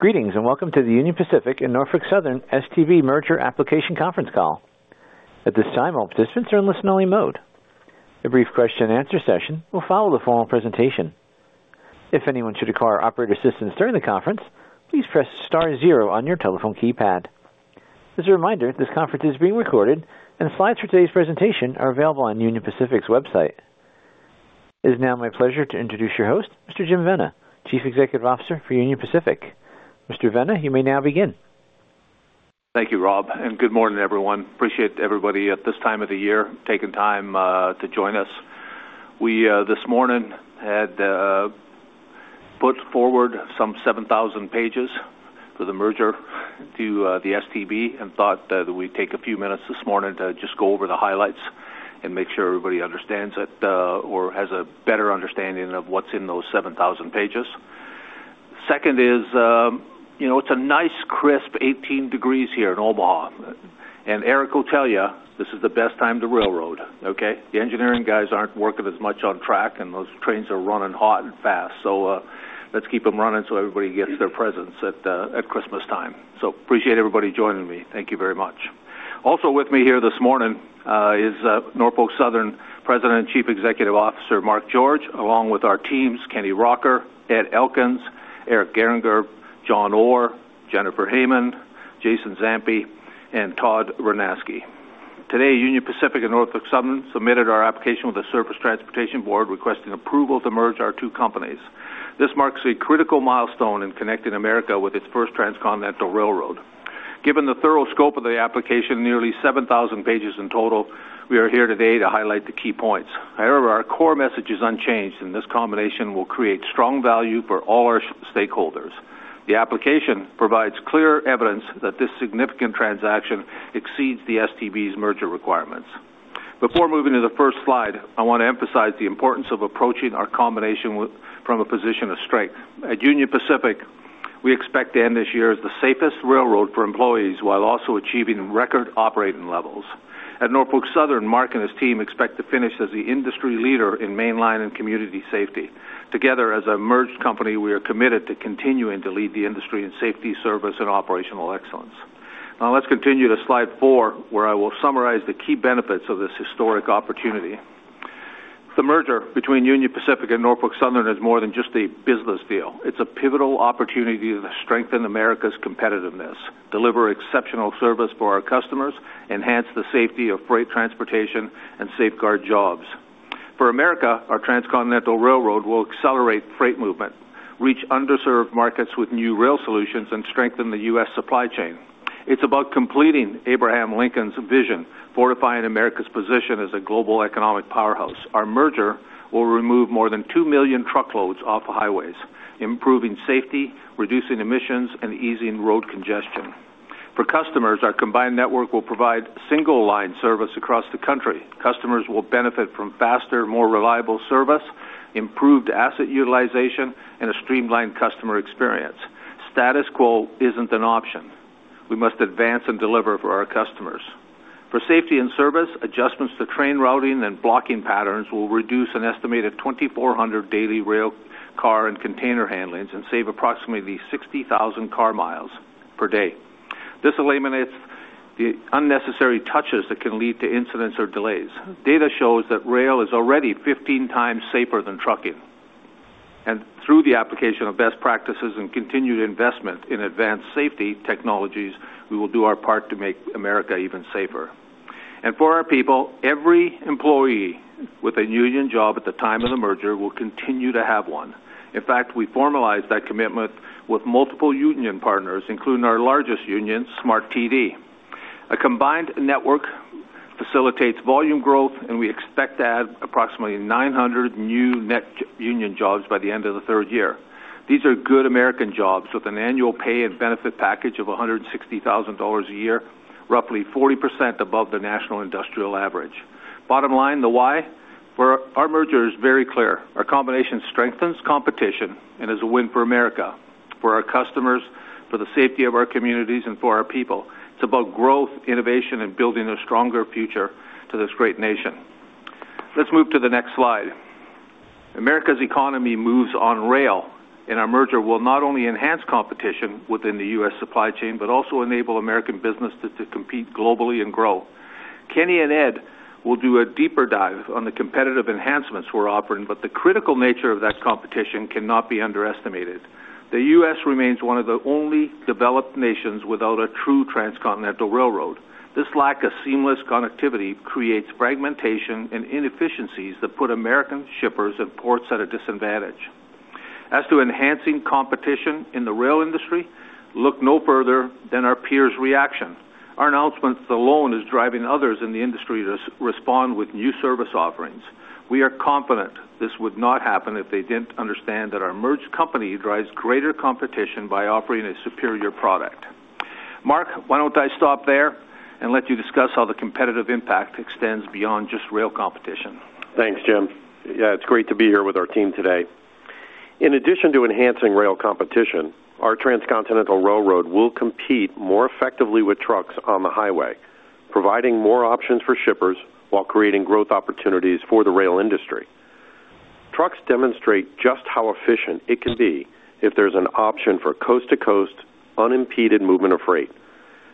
Greetings and Welcome to the Union Pacific and Norfolk Southern STB merger application conference call. At this time, all participants are in listen-only mode. A brief question-and-answer session will follow the formal presentation. If anyone should require operator assistance during the conference, please press star zero on your telephone keypad. As a reminder, this conference is being recorded, and slides for today's presentation are available on Union Pacific's website. It is now my pleasure to introduce your host, Mr. Jim Vena, Chief Executive Officer for Union Pacific. Mr. Vena, you may now begin. Thank you, Rob, and good morning, everyone. Appreciate everybody at this time of the year taking time to join us. We this morning had put forward some 7,000 pages for the merger to the STB and thought that we'd take a few minutes this morning to just go over the highlights and make sure everybody understands it or has a better understanding of what's in those 7,000 pages. Second is, it's a nice crisp 18 degrees here in Omaha, and Eric will tell you this is the best time to railroad, okay? The engineering guys aren't working as much on track, and those trains are running hot and fast, so let's keep them running so everybody gets their presents at Christmas time. So appreciate everybody joining me. Thank you very much. Also with me here this morning is Norfolk Southern President and Chief Executive Officer Mark George, along with our teams, Kenny Rocker, Ed Elkins, Eric Gehringer, John Orr, Jennifer Hamann, Jason Zampi, and Todd Rynaski. Today, Union Pacific and Norfolk Southern submitted our application with the Surface Transportation Board requesting approval to merge our two companies. This marks a critical milestone in connecting America with its first transcontinental railroad. Given the thorough scope of the application, nearly 7,000 pages in total, we are here today to highlight the key points. However, our core message is unchanged, and this combination will create strong value for all our stakeholders. The application provides clear evidence that this significant transaction exceeds the STB's merger requirements. Before moving to the first slide, I want to emphasize the importance of approaching our combination from a position of strength. At Union Pacific, we expect to end this year as the safest railroad for employees while also achieving record operating levels. At Norfolk Southern, Mark and his team expect to finish as the industry leader in mainline and community safety. Together, as a merged company, we are committed to continuing to lead the industry in safety, service, and operational excellence. Now, let's continue to slide four, where I will summarize the key benefits of this historic opportunity. The merger between Union Pacific and Norfolk Southern is more than just a business deal. It's a pivotal opportunity to strengthen America's competitiveness, deliver exceptional service for our customers, enhance the safety of freight transportation, and safeguard jobs. For America, our transcontinental railroad will accelerate freight movement, reach underserved markets with new rail solutions, and strengthen the U.S. supply chain. It's about completing Abraham Lincoln's vision, fortifying America's position as a global economic powerhouse. Our merger will remove more than 2 million truckloads off the highways, improving safety, reducing emissions, and easing road congestion. For customers, our combined network will provide single-line service across the country. Customers will benefit from faster, more reliable service, improved asset utilization, and a streamlined customer experience. Status quo isn't an option. We must advance and deliver for our customers. For safety and service, adjustments to train routing and blocking patterns will reduce an estimated 2,400 daily railcar and container handlings and save approximately 60,000 car miles per day. This eliminates the unnecessary touches that can lead to incidents or delays. Data shows that rail is already 15 times safer than trucking. Through the application of best practices and continued investment in advanced safety technologies, we will do our part to make America even safer. For our people, every employee with a union job at the time of the merger will continue to have one. In fact, we formalized that commitment with multiple union partners, including our largest union, SMART-TD. A combined network facilitates volume growth, and we expect to add approximately 900 new net union jobs by the end of the third year. These are good American jobs with an annual pay and benefit package of $160,000 a year, roughly 40% above the national industrial average. Bottom line, the why? Our merger is very clear. Our combination strengthens competition and is a win for America, for our customers, for the safety of our communities, and for our people. It's about growth, innovation, and building a stronger future for this great nation. Let's move to the next slide. America's economy moves on rail, and our merger will not only enhance competition within the U.S. supply chain but also enable American businesses to compete globally and grow. Kenny and Ed will do a deeper dive on the competitive enhancements we're offering, but the critical nature of that competition cannot be underestimated. The U.S. remains one of the only developed nations without a true transcontinental railroad. This lack of seamless connectivity creates fragmentation and inefficiencies that put American shippers and ports at a disadvantage. As to enhancing competition in the rail industry, look no further than our peers' reaction. Our announcement alone is driving others in the industry to respond with new service offerings. We are confident this would not happen if they didn't understand that our merged company drives greater competition by offering a superior product. Mark, why don't I stop there and let you discuss how the competitive impact extends beyond just rail competition? Thanks, Jim. Yeah, it's great to be here with our team today. In addition to enhancing rail competition, our transcontinental railroad will compete more effectively with trucks on the highway, providing more options for shippers while creating growth opportunities for the rail industry. Trucks demonstrate just how efficient it can be if there's an option for coast-to-coast unimpeded movement of freight.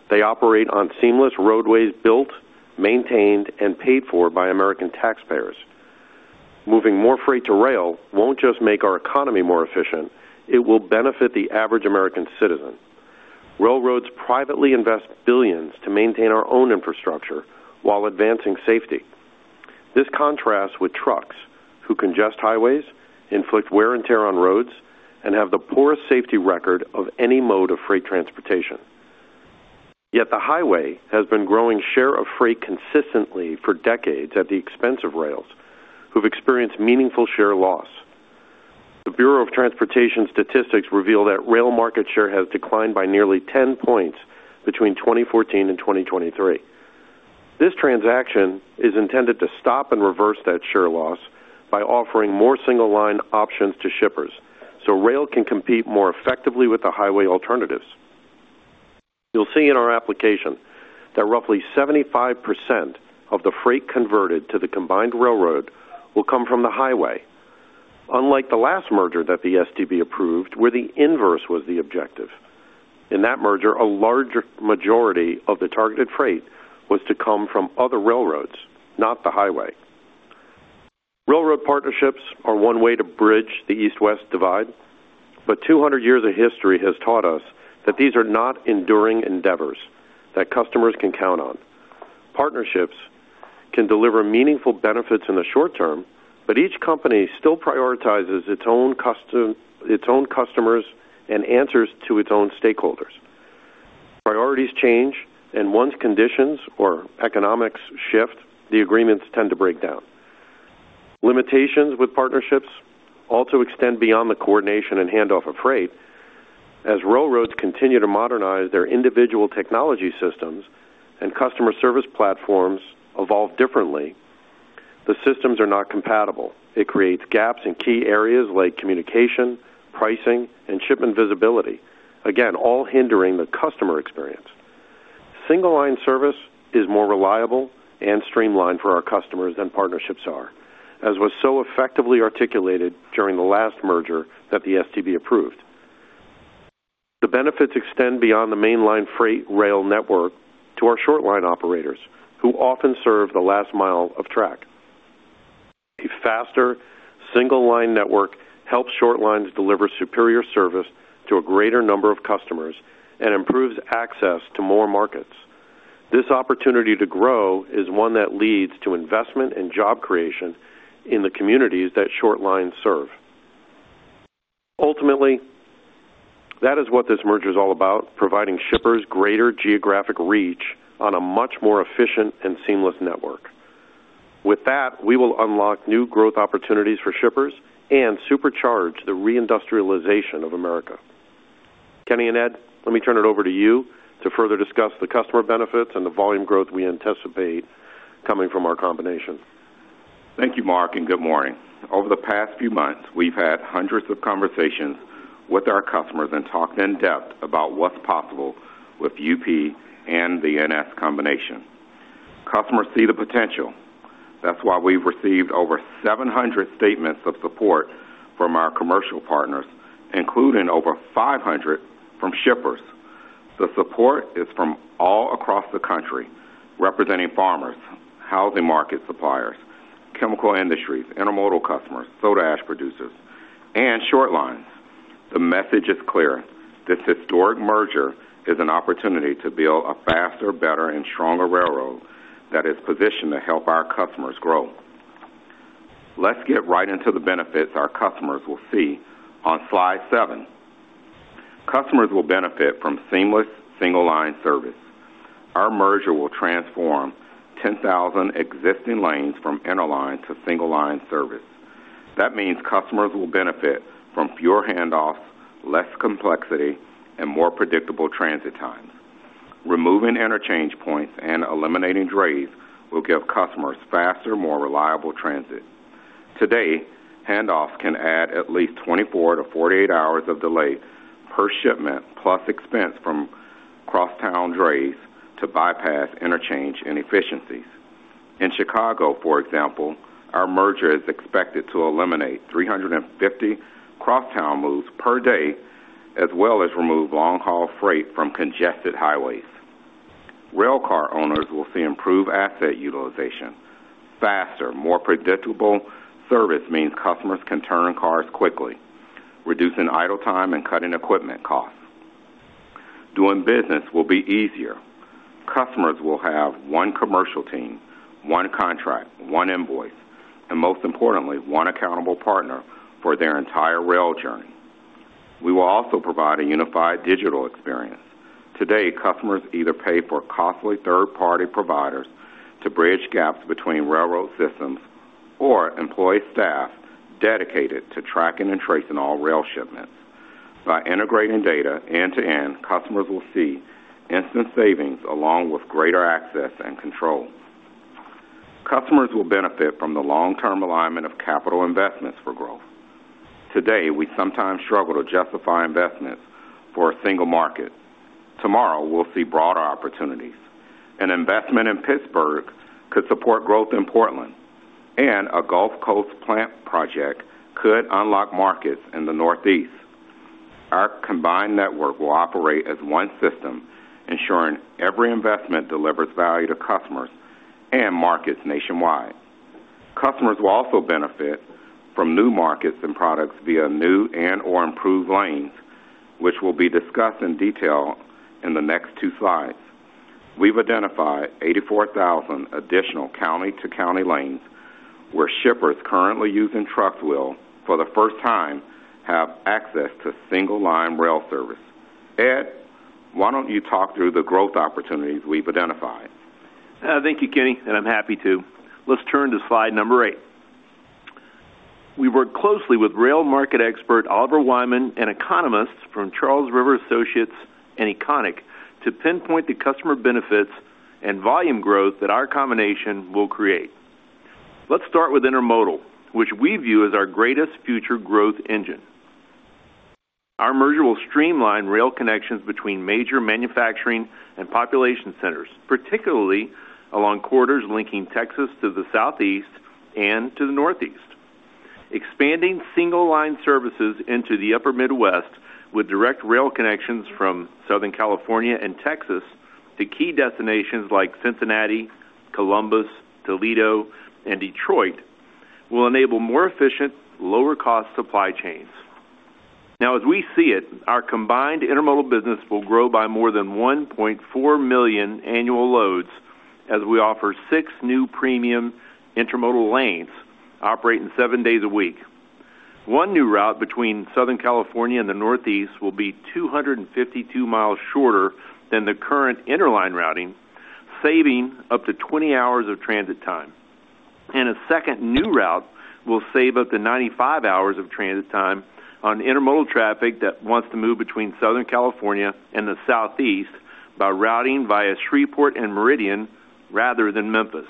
They operate on seamless roadways built, maintained, and paid for by American taxpayers. Moving more freight to rail won't just make our economy more efficient. It will benefit the average American citizen. Railroads privately invest billions to maintain our own infrastructure while advancing safety. This contrasts with trucks who congest highways, inflict wear and tear on roads, and have the poorest safety record of any mode of freight transportation. Yet the highway has been growing share of freight consistently for decades at the expense of rails, who've experienced meaningful share loss. The Bureau of Transportation Statistics revealed that rail market share has declined by nearly 10 points between 2014 and 2023. This transaction is intended to stop and reverse that share loss by offering more single-line options to shippers so rail can compete more effectively with the highway alternatives. You'll see in our application that roughly 75% of the freight converted to the combined railroad will come from the highway. Unlike the last merger that the STB approved, where the inverse was the objective. In that merger, a large majority of the targeted freight was to come from other railroads, not the highway. Railroad partnerships are one way to bridge the east-west divide, but 200 years of history has taught us that these are not enduring endeavors that customers can count on. Partnerships can deliver meaningful benefits in the short term, but each company still prioritizes its own customers and answers to its own stakeholders. Priorities change, and once conditions or economics shift, the agreements tend to break down. Limitations with partnerships also extend beyond the coordination and handoff of freight. As railroads continue to modernize their individual technology systems and customer service platforms evolve differently, the systems are not compatible. It creates gaps in key areas like communication, pricing, and shipment visibility, again, all hindering the customer experience. Single-line service is more reliable and streamlined for our customers than partnerships are, as was so effectively articulated during the last merger that the STB approved. The benefits extend beyond the mainline freight rail network to our short-line operators, who often serve the last mile of track. A faster single-line network helps short lines deliver superior service to a greater number of customers and improves access to more markets. This opportunity to grow is one that leads to investment and job creation in the communities that short lines serve. Ultimately, that is what this merger is all about: providing shippers greater geographic reach on a much more efficient and seamless network. With that, we will unlock new growth opportunities for shippers and supercharge the reindustrialization of America. Kenny and Ed, let me turn it over to you to further discuss the customer benefits and the volume growth we anticipate coming from our combination. Thank you, Mark, and good morning. Over the past few months, we've had hundreds of conversations with our customers and talked in depth about what's possible with UP and the NS combination. Customers see the potential. That's why we've received over 700 statements of support from our commercial partners, including over 500 from shippers. The support is from all across the country, representing farmers, housing market suppliers, chemical industries, intermodal customers, soda ash producers, and short lines. The message is clear: this historic merger is an opportunity to build a faster, better, and stronger railroad that is positioned to help our customers grow. Let's get right into the benefits our customers will see on slide seven. Customers will benefit from seamless single-line service. Our merger will transform 10,000 existing lanes from interline to single-line service. That means customers will benefit from fewer handoffs, less complexity, and more predictable transit times. Removing interchange points and eliminating drays will give customers faster, more reliable transit. Today, handoffs can add at least 24-48 hours of delay per shipment, plus expense from cross-town drays to bypass interchange inefficiencies. In Chicago, for example, our merger is expected to eliminate 350 cross-town moves per day, as well as remove long-haul freight from congested highways. Railcar owners will see improved asset utilization. Faster, more predictable service means customers can turn cars quickly, reducing idle time and cutting equipment costs. Doing business will be easier. Customers will have one commercial team, one contract, one invoice, and most importantly, one accountable partner for their entire rail journey. We will also provide a unified digital experience. Today, customers either pay for costly third-party providers to bridge gaps between railroad systems or employ staff dedicated to tracking and tracing all rail shipments. By integrating data end-to-end, customers will see instant savings along with greater access and control. Customers will benefit from the long-term alignment of capital investments for growth. Today, we sometimes struggle to justify investments for a single market. Tomorrow, we'll see broader opportunities. An investment in Pittsburgh could support growth in Portland, and a Gulf Coast plant project could unlock markets in the Northeast. Our combined network will operate as one system, ensuring every investment delivers value to customers and markets nationwide. Customers will also benefit from new markets and products via new and/or improved lanes, which will be discussed in detail in the next two slides. We've identified 84,000 additional county-to-county lanes where shippers currently using truck wheels for the first time have access to single-line rail service. Ed, why don't you talk through the growth opportunities we've identified? Thank you, Kenny, and I'm happy to. Let's turn to slide number eight. We've worked closely with rail market expert Oliver Wyman and economists from Charles River Associates and Econic to pinpoint the customer benefits and volume growth that our combination will create. Let's start with intermodal, which we view as our greatest future growth engine. Our merger will streamline rail connections between major manufacturing and population centers, particularly along corridors linking Texas to the Southeast and to the Northeast. Expanding single-line services into the Upper Midwest with direct rail connections from Southern California and Texas to key destinations like Cincinnati, Columbus, Toledo, and Detroit will enable more efficient, lower-cost supply chains. Now, as we see it, our combined intermodal business will grow by more than 1.4 million annual loads as we offer six new premium intermodal lanes operating seven days a week. One new route between Southern California and the Northeast will be 252 miles shorter than the current interline routing, saving up to 20 hours of transit time. And a second new route will save up to 95 hours of transit time on intermodal traffic that wants to move between Southern California and the Southeast by routing via Shreveport and Meridian rather than Memphis.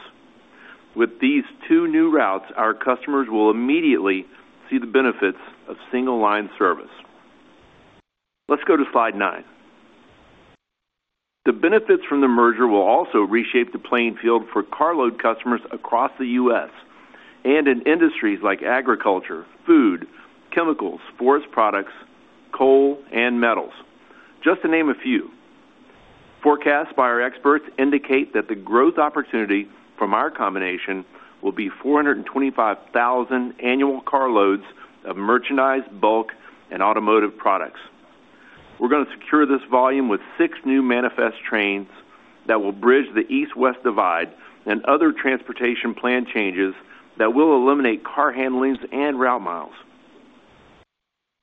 With these two new routes, our customers will immediately see the benefits of single-line service. Let's go to slide nine. The benefits from the merger will also reshape the playing field for carload customers across the U.S. and in industries like agriculture, food, chemicals, sports products, coal, and metals, just to name a few. Forecasts by our experts indicate that the growth opportunity from our combination will be 425,000 annual carloads of merchandise, bulk, and automotive products. We're going to secure this volume with six new manifest trains that will bridge the east-west divide and other transportation plan changes that will eliminate car handlings and route miles.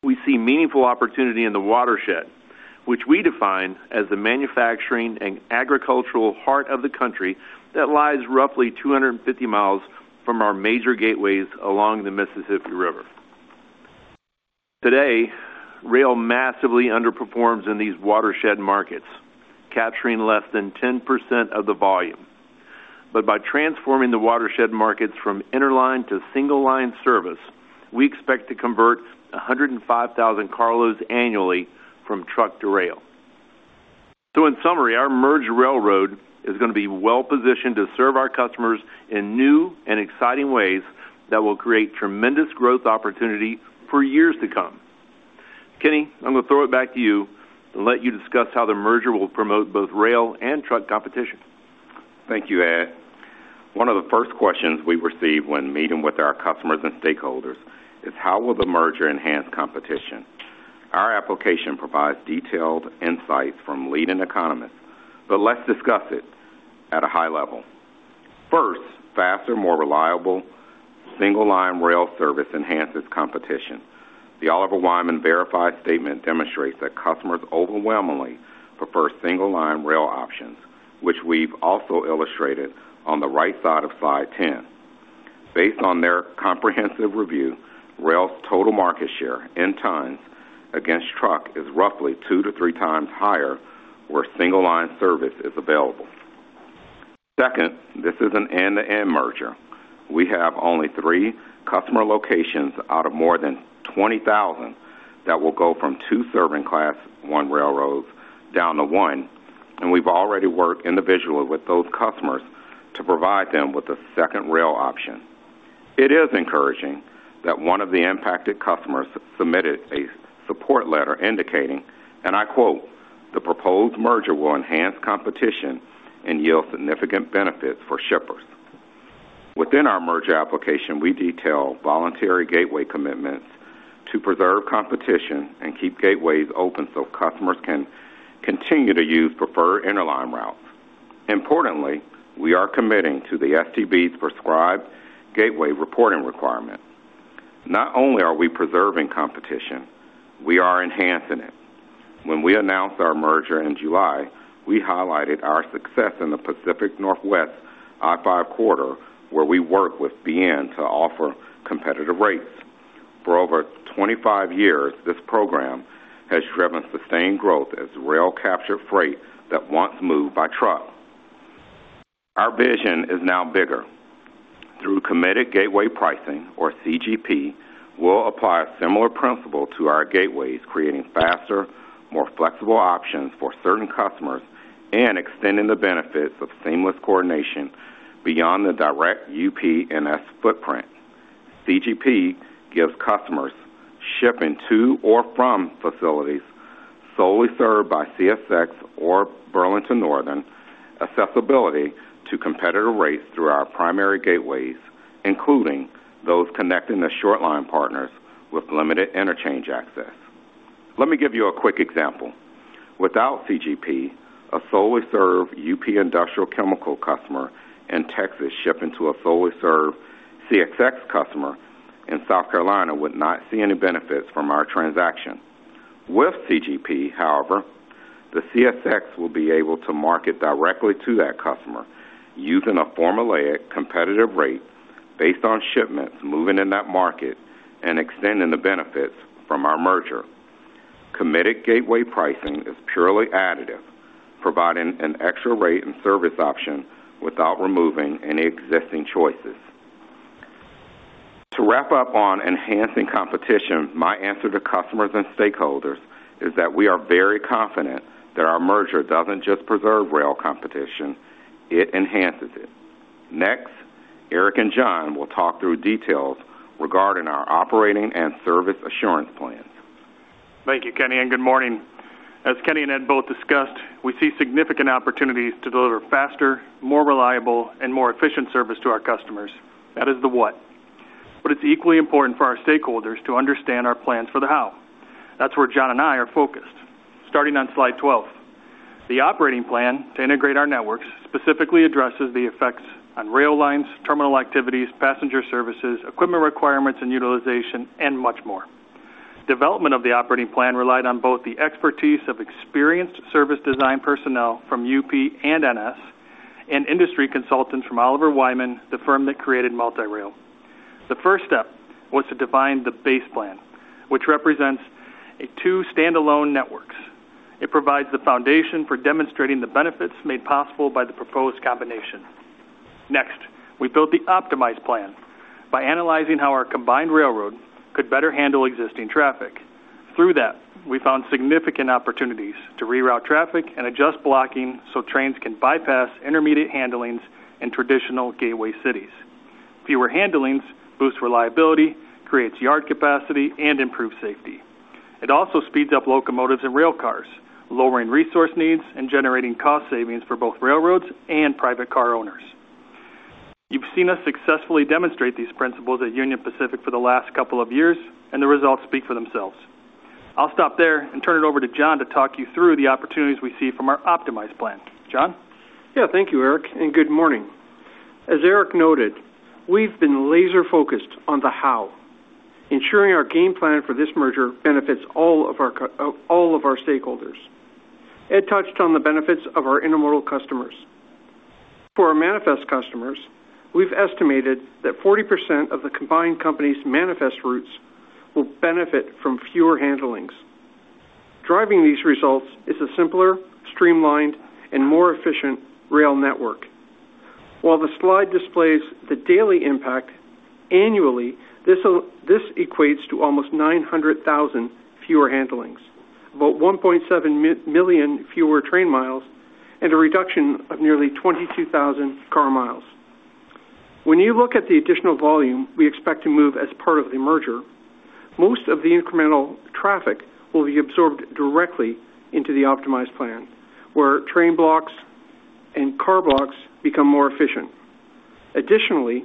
We see meaningful opportunity in the watershed, which we define as the manufacturing and agricultural heart of the country that lies roughly 250 miles from our major gateways along the Mississippi River. Today, rail massively underperforms in these watershed markets, capturing less than 10% of the volume, but by transforming the watershed markets from interline to single-line service, we expect to convert 105,000 carloads annually from truck to rail, so in summary, our merged railroad is going to be well-positioned to serve our customers in new and exciting ways that will create tremendous growth opportunity for years to come. Kenny, I'm going to throw it back to you and let you discuss how the merger will promote both rail and truck competition. Thank you, Ed. One of the first questions we receive when meeting with our customers and stakeholders is, how will the merger enhance competition? Our application provides detailed insights from leading economists, but let's discuss it at a high level. First, faster, more reliable single-line rail service enhances competition. The Oliver Wyman verified statement demonstrates that customers overwhelmingly prefer single-line rail options, which we've also illustrated on the right side of slide 10. Based on their comprehensive review, rail's total market share in tons against truck is roughly two to three times higher where single-line service is available. Second, this is an end-to-end merger. We have only three customer locations out of more than 20,000 that will go from two serving Class I railroads down to one, and we've already worked individually with those customers to provide them with a second rail option. It is encouraging that one of the impacted customers submitted a support letter indicating, and I quote, "The proposed merger will enhance competition and yield significant benefits for shippers." Within our merger application, we detail voluntary gateway commitments to preserve competition and keep gateways open so customers can continue to use preferred interline routes. Importantly, we are committing to the STB's prescribed gateway reporting requirement. Not only are we preserving competition, we are enhancing it. When we announced our merger in July, we highlighted our success in the Pacific Northwest I-5 corridor, where we work with BN to offer competitive rates. For over 25 years, this program has driven sustained growth as rail captured freight that once moved by truck. Our vision is now bigger. Through Committed Gateway Pricing, or CGP, we'll apply a similar principle to our gateways, creating faster, more flexible options for certain customers and extending the benefits of seamless coordination beyond the direct UP-NS footprint. CGP gives customers shipping to or from facilities solely served by CSX or Burlington Northern accessibility to competitive rates through our primary gateways, including those connecting the short-line partners with limited interchange access. Let me give you a quick example. Without CGP, a solely served UP Industrial Chemical customer in Texas shipping to a solely served CSX customer in South Carolina would not see any benefits from our transaction. With CGP, however, the CSX will be able to market directly to that customer using a formulaic competitive rate based on shipments moving in that market and extending the benefits from our merger. Committed Gateway Pricing is purely additive, providing an extra rate and service option without removing any existing choices. To wrap up on enhancing competition, my answer to customers and stakeholders is that we are very confident that our merger doesn't just preserve rail competition. It enhances it. Next, Eric and John will talk through details regarding our operating and service assurance plans. Thank you, Kenny, and good morning. As Kenny and Ed both discussed, we see significant opportunities to deliver faster, more reliable, and more efficient service to our customers. That is the what. But it's equally important for our stakeholders to understand our plans for the how. That's where John and I are focused. Starting on slide 12, the operating plan to integrate our networks specifically addresses the effects on rail lines, terminal activities, passenger services, equipment requirements and utilization, and much more. Development of the operating plan relied on both the expertise of experienced service design personnel from UP and NS and industry consultants from Oliver Wyman, the firm that created MultiRail. The first step was to define the base plan, which represents two standalone networks. It provides the foundation for demonstrating the benefits made possible by the proposed combination. Next, we built the optimized plan by analyzing how our combined railroad could better handle existing traffic. Through that, we found significant opportunities to reroute traffic and adjust blocking so trains can bypass intermediate handlings in traditional gateway cities. Fewer handlings boost reliability, create yard capacity, and improve safety. It also speeds up locomotives and railcars, lowering resource needs and generating cost savings for both railroads and private car owners. You've seen us successfully demonstrate these principles at Union Pacific for the last couple of years, and the results speak for themselves. I'll stop there and turn it over to John to talk you through the opportunities we see from our optimized plan. John? Yeah, thank you, Eric, and good morning. As Eric noted, we've been laser-focused on the how. Ensuring our game plan for this merger benefits all of our stakeholders. Ed touched on the benefits of our intermodal customers. For our manifest customers, we've estimated that 40% of the combined company's manifest routes will benefit from fewer handlings. Driving these results is a simpler, streamlined, and more efficient rail network. While the slide displays the daily impact, annually, this equates to almost 900,000 fewer handlings, about 1.7 million fewer train miles, and a reduction of nearly 22,000 car miles. When you look at the additional volume we expect to move as part of the merger, most of the incremental traffic will be absorbed directly into the optimized plan, where train blocks and car blocks become more efficient. Additionally,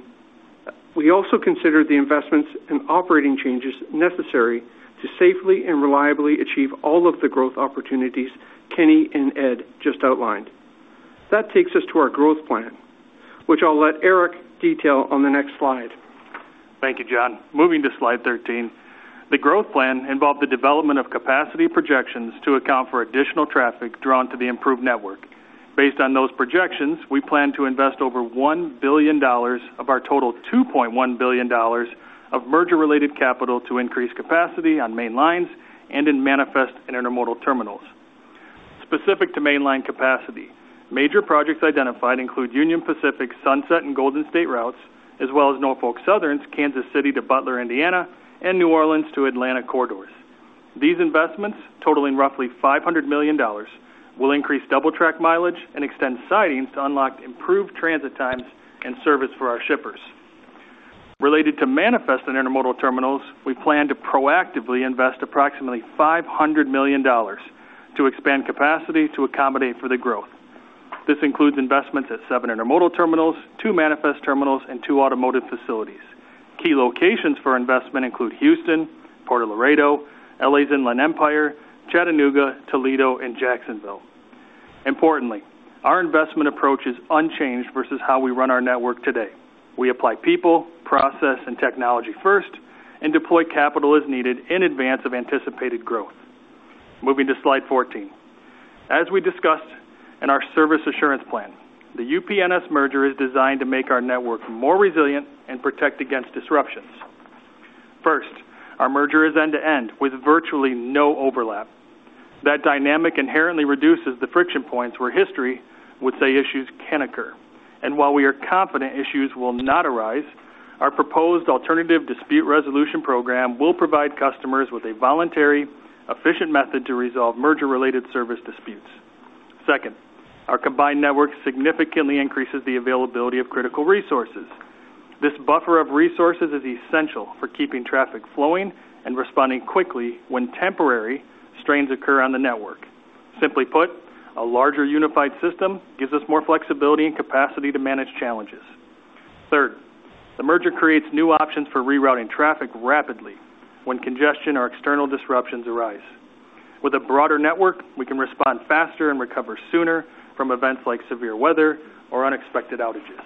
we also consider the investments and operating changes necessary to safely and reliably achieve all of the growth opportunities Kenny and Ed just outlined. That takes us to our growth plan, which I'll let Eric detail on the next slide. Thank you, John. Moving to slide 13, the growth plan involved the development of capacity projections to account for additional traffic drawn to the improved network. Based on those projections, we plan to invest over $1 billion of our total $2.1 billion of merger-related capital to increase capacity on mainlines and in manifest and intermodal terminals. Specific to mainline capacity, major projects identified include Union Pacific's Sunset and Golden State routes, as well as Norfolk Southern's Kansas City to Butler, Indiana, and New Orleans to Atlanta corridors. These investments, totaling roughly $500 million, will increase double-track mileage and extend sidings to unlock improved transit times and service for our shippers. Related to manifest and intermodal terminals, we plan to proactively invest approximately $500 million to expand capacity to accommodate for the growth. This includes investments at seven intermodal terminals, two manifest terminals, and two automotive facilities. Key locations for investment include Houston, Port Laredo, LA's Inland Empire, Chattanooga, Toledo, and Jacksonville. Importantly, our investment approach is unchanged versus how we run our network today. We apply people, process, and technology first and deploy capital as needed in advance of anticipated growth. Moving to slide 14, as we discussed in our service assurance plan, the UP-NS merger is designed to make our network more resilient and protect against disruptions. First, our merger is end-to-end with virtually no overlap. That dynamic inherently reduces the friction points where history would say issues can occur. And while we are confident issues will not arise, our proposed alternative dispute resolution program will provide customers with a voluntary, efficient method to resolve merger-related service disputes. Second, our combined network significantly increases the availability of critical resources. This buffer of resources is essential for keeping traffic flowing and responding quickly when temporary strains occur on the network. Simply put, a larger unified system gives us more flexibility and capacity to manage challenges. Third, the merger creates new options for rerouting traffic rapidly when congestion or external disruptions arise. With a broader network, we can respond faster and recover sooner from events like severe weather or unexpected outages.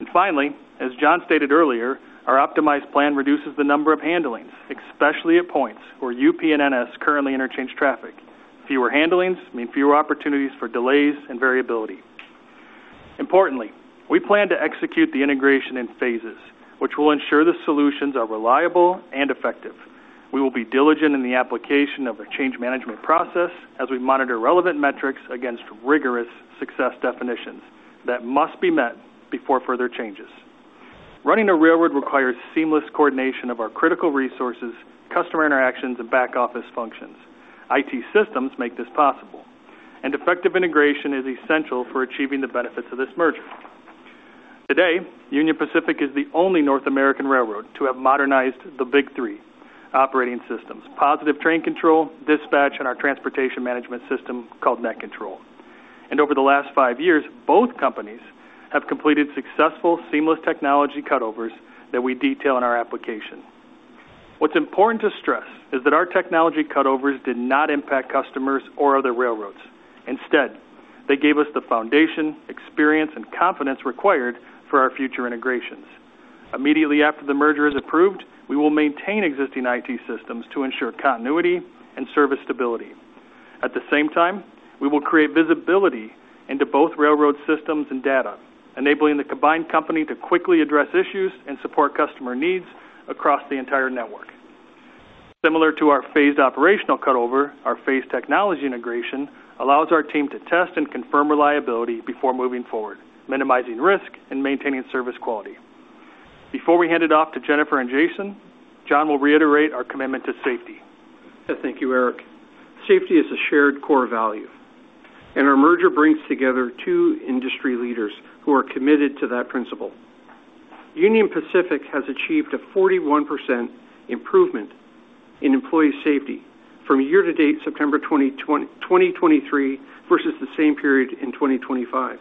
And finally, as John stated earlier, our optimized plan reduces the number of handlings, especially at points where UP and NS currently interchange traffic. Fewer handlings mean fewer opportunities for delays and variability. Importantly, we plan to execute the integration in phases, which will ensure the solutions are reliable and effective. We will be diligent in the application of the change management process as we monitor relevant metrics against rigorous success definitions that must be met before further changes. Running a railroad requires seamless coordination of our critical resources, customer interactions, and back office functions. IT systems make this possible. And effective integration is essential for achieving the benefits of this merger. Today, Union Pacific is the only North American railroad to have modernized the big three operating systems: Positive Train Control, dispatch, and our transportation management system called NetControl. And over the last five years, both companies have completed successful seamless technology cutovers that we detail in our application. What's important to stress is that our technology cutovers did not impact customers or other railroads. Instead, they gave us the foundation, experience, and confidence required for our future integrations. Immediately after the merger is approved, we will maintain existing IT systems to ensure continuity and service stability. At the same time, we will create visibility into both railroad systems and data, enabling the combined company to quickly address issues and support customer needs across the entire network. Similar to our phased operational cutover, our phased technology integration allows our team to test and confirm reliability before moving forward, minimizing risk and maintaining service quality. Before we hand it off to Jennifer and Jason, John will reiterate our commitment to safety. Thank you, Eric. Safety is a shared core value, and our merger brings together two industry leaders who are committed to that principle. Union Pacific has achieved a 41% improvement in employee safety from year to date, September 2023, versus the same period in 2025.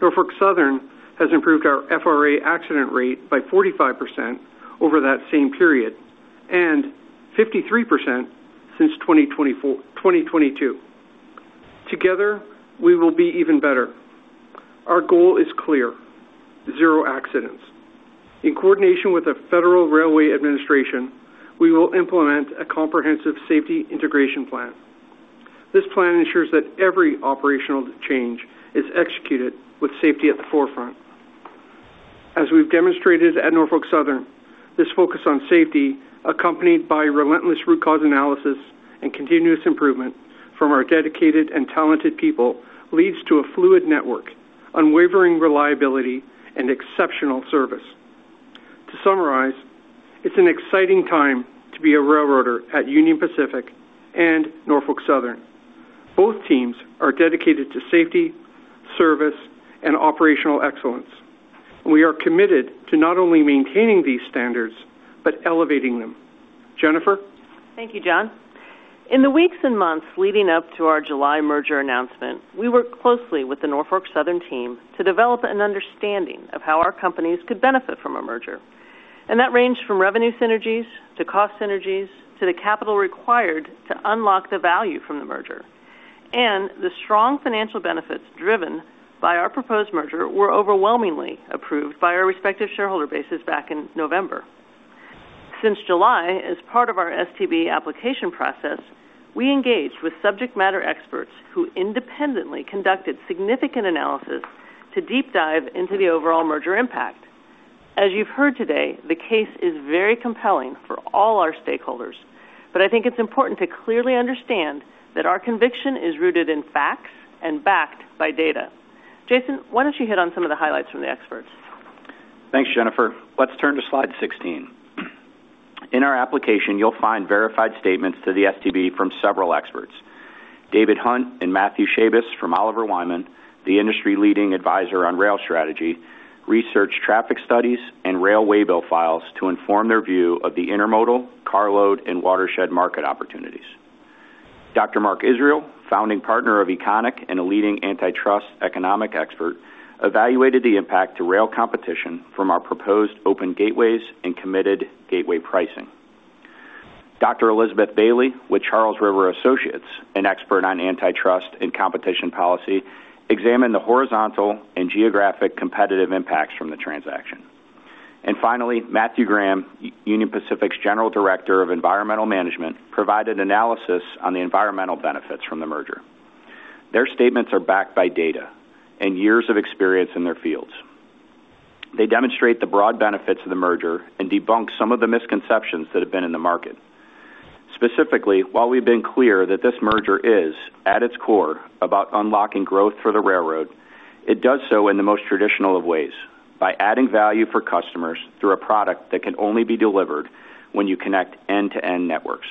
Norfolk Southern has improved our FRA accident rate by 45% over that same period and 53% since 2022. Together, we will be even better. Our goal is clear: zero accidents. In coordination with the Federal Railroad Administration, we will implement a comprehensive safety integration plan. This plan ensures that every operational change is executed with safety at the forefront. As we've demonstrated at Norfolk Southern, this focus on safety, accompanied by relentless root cause analysis and continuous improvement from our dedicated and talented people, leads to a fluid network, unwavering reliability, and exceptional service. To summarize, it's an exciting time to be a railroader at Union Pacific and Norfolk Southern. Both teams are dedicated to safety, service, and operational excellence. We are committed to not only maintaining these standards, but elevating them. Jennifer. Thank you, John. In the weeks and months leading up to our July merger announcement, we worked closely with the Norfolk Southern team to develop an understanding of how our companies could benefit from a merger. And that ranged from revenue synergies to cost synergies to the capital required to unlock the value from the merger. And the strong financial benefits driven by our proposed merger were overwhelmingly approved by our respective shareholder bases back in November. Since July, as part of our STB application process, we engaged with subject matter experts who independently conducted significant analysis to deep dive into the overall merger impact. As you've heard today, the case is very compelling for all our stakeholders, but I think it's important to clearly understand that our conviction is rooted in facts and backed by data. Jason, why don't you hit on some of the highlights from the experts? Thanks, Jennifer. Let's turn to slide 16. In our application, you'll find verified statements to the STB from several experts. David Hunt and Matthew Schabas from Oliver Wyman, the industry-leading advisor on rail strategy, researched traffic studies and rail waybill files to inform their view of the intermodal, carload, and watershed market opportunities. Dr. Mark Israel, founding partner of Econic and a leading antitrust economic expert, evaluated the impact to rail competition from our proposed open gateways and Committed Gateway Pricing. Dr. Elizabeth Bailey with Charles River Associates, an expert on antitrust and competition policy, examined the horizontal and geographic competitive impacts from the transaction. And finally, Matthew Graham, Union Pacific's general director of environmental management, provided analysis on the environmental benefits from the merger. Their statements are backed by data and years of experience in their fields. They demonstrate the broad benefits of the merger and debunk some of the misconceptions that have been in the market. Specifically, while we've been clear that this merger is, at its core, about unlocking growth for the railroad, it does so in the most traditional of ways: by adding value for customers through a product that can only be delivered when you connect end-to-end networks.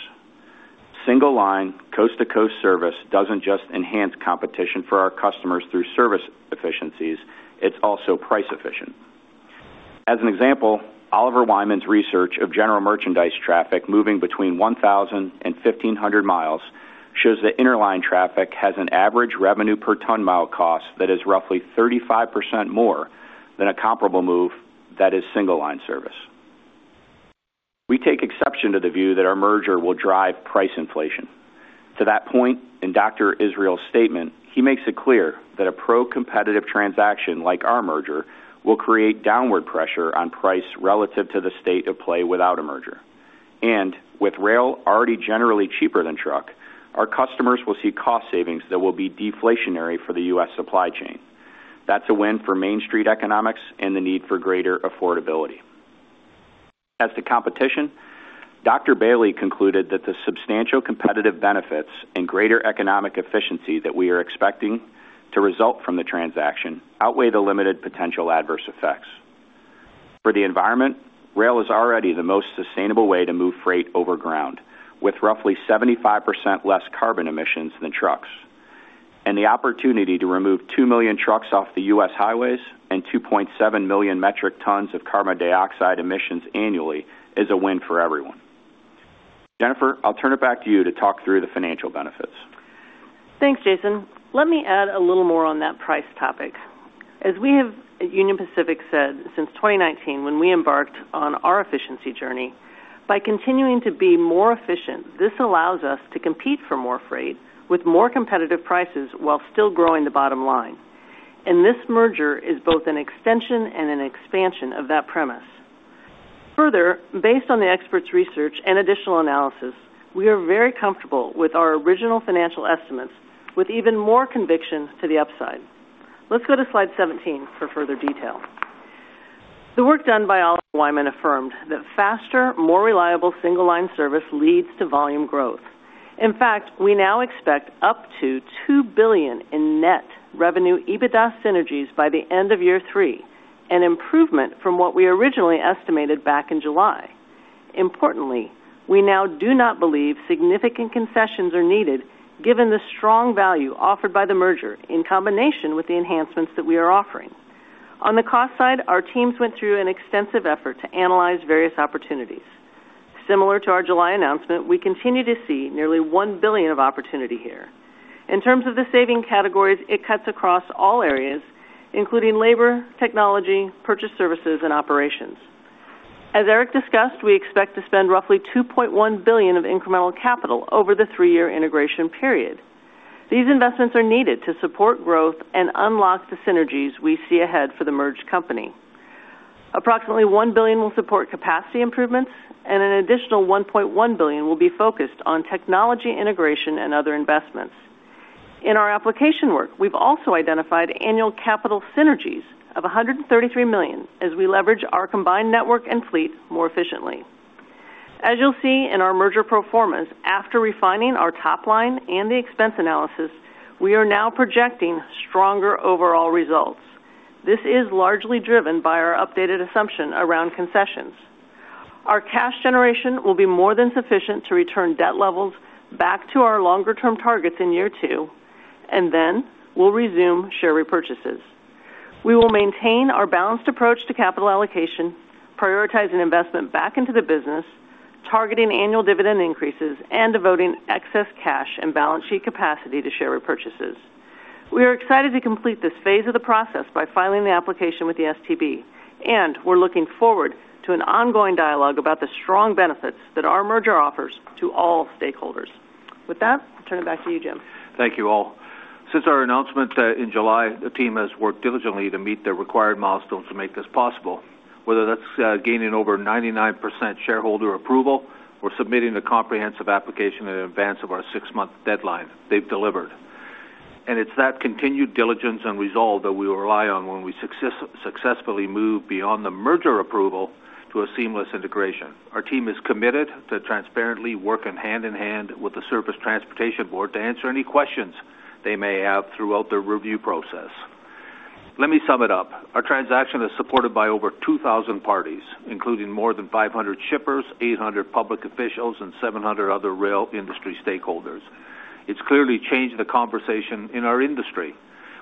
Single-line, coast-to-coast service doesn't just enhance competition for our customers through service efficiencies. It's also price-efficient. As an example, Oliver Wyman's research of general merchandise traffic moving between 1,000 and 1,500 miles shows that interline traffic has an average revenue per ton-mile cost that is roughly 35% more than a comparable move that is single-line service. We take exception to the view that our merger will drive price inflation. To that point, in Dr. Israel's statement, he makes it clear that a pro-competitive transaction like our merger will create downward pressure on price relative to the state of play without a merger. And with rail already generally cheaper than truck, our customers will see cost savings that will be deflationary for the U.S. supply chain. That's a win for Main Street economics and the need for greater affordability. As to competition, Dr. Bailey concluded that the substantial competitive benefits and greater economic efficiency that we are expecting to result from the transaction outweigh the limited potential adverse effects. For the environment, rail is already the most sustainable way to move freight over ground, with roughly 75% less carbon emissions than trucks. And the opportunity to remove two million trucks off the U.S. highways and 2.7 million metric tons of carbon dioxide emissions annually is a win for everyone. Jennifer, I'll turn it back to you to talk through the financial benefits. Thanks, Jason. Let me add a little more on that price topic. As we have, at Union Pacific, said since 2019, when we embarked on our efficiency journey, by continuing to be more efficient, this allows us to compete for more freight with more competitive prices while still growing the bottom line, and this merger is both an extension and an expansion of that premise. Further, based on the expert's research and additional analysis, we are very comfortable with our original financial estimates with even more conviction to the upside. Let's go to slide 17 for further detail. The work done by Oliver Wyman affirmed that faster, more reliable single-line service leads to volume growth. In fact, we now expect up to $2 billion in net revenue EBITDA synergies by the end of year three, an improvement from what we originally estimated back in July. Importantly, we now do not believe significant concessions are needed given the strong value offered by the merger in combination with the enhancements that we are offering. On the cost side, our teams went through an extensive effort to analyze various opportunities. Similar to our July announcement, we continue to see nearly $1 billion of opportunity here. In terms of the savings categories, it cuts across all areas, including labor, technology, purchased services, and operations. As Eric discussed, we expect to spend roughly $2.1 billion of incremental capital over the three-year integration period. These investments are needed to support growth and unlock the synergies we see ahead for the merged company. Approximately $1 billion will support capacity improvements, and an additional $1.1 billion will be focused on technology integration and other investments. In our application work, we've also identified annual capital synergies of $133 million as we leverage our combined network and fleet more efficiently. As you'll see in our merger performance, after refining our top line and the expense analysis, we are now projecting stronger overall results. This is largely driven by our updated assumption around concessions. Our cash generation will be more than sufficient to return debt levels back to our longer-term targets in year two, and then we'll resume share repurchases. We will maintain our balanced approach to capital allocation, prioritizing investment back into the business, targeting annual dividend increases, and devoting excess cash and balance sheet capacity to share repurchases. We are excited to complete this phase of the process by filing the application with the STB, and we're looking forward to an ongoing dialogue about the strong benefits that our merger offers to all stakeholders. With that, I'll turn it back to you, Jim. Thank you all. Since our announcement in July, the team has worked diligently to meet the required milestones to make this possible, whether that's gaining over 99% shareholder approval or submitting the comprehensive application in advance of our six-month deadline. They've delivered, and it's that continued diligence and resolve that we rely on when we successfully move beyond the merger approval to a seamless integration. Our team is committed to transparently working hand in hand with the Surface Transportation Board to answer any questions they may have throughout the review process. Let me sum it up. Our transaction is supported by over 2,000 parties, including more than 500 shippers, 800 public officials, and 700 other rail industry stakeholders. It's clearly changed the conversation in our industry,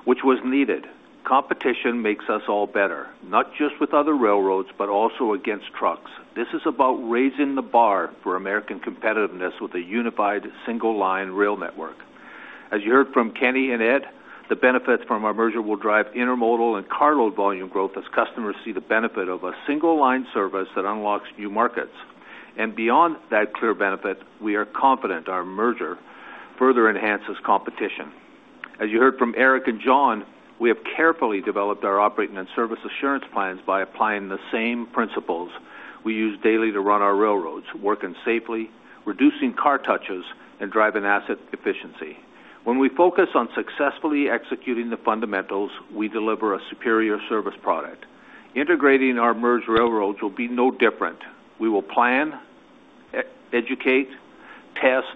which was needed. Competition makes us all better, not just with other railroads, but also against trucks. This is about raising the bar for American competitiveness with a unified single-line rail network. As you heard from Kenny and Ed, the benefits from our merger will drive intermodal and carload volume growth as customers see the benefit of a single-line service that unlocks new markets and beyond that clear benefit, we are confident our merger further enhances competition. As you heard from Eric and John, we have carefully developed our operating and service assurance plans by applying the same principles we use daily to run our railroads, working safely, reducing car touches, and driving asset efficiency. When we focus on successfully executing the fundamentals, we deliver a superior service product. Integrating our merged railroads will be no different. We will plan, educate, test,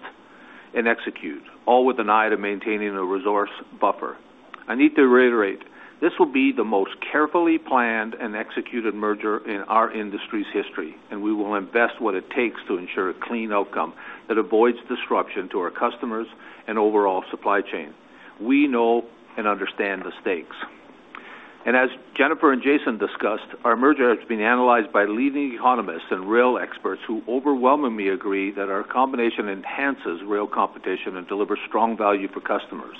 and execute, all with an eye to maintaining a resource buffer. I need to reiterate, this will be the most carefully planned and executed merger in our industry's history, and we will invest what it takes to ensure a clean outcome that avoids disruption to our customers and overall supply chain. We know and understand the stakes, and as Jennifer and Jason discussed, our merger has been analyzed by leading economists and rail experts who overwhelmingly agree that our combination enhances rail competition and delivers strong value for customers.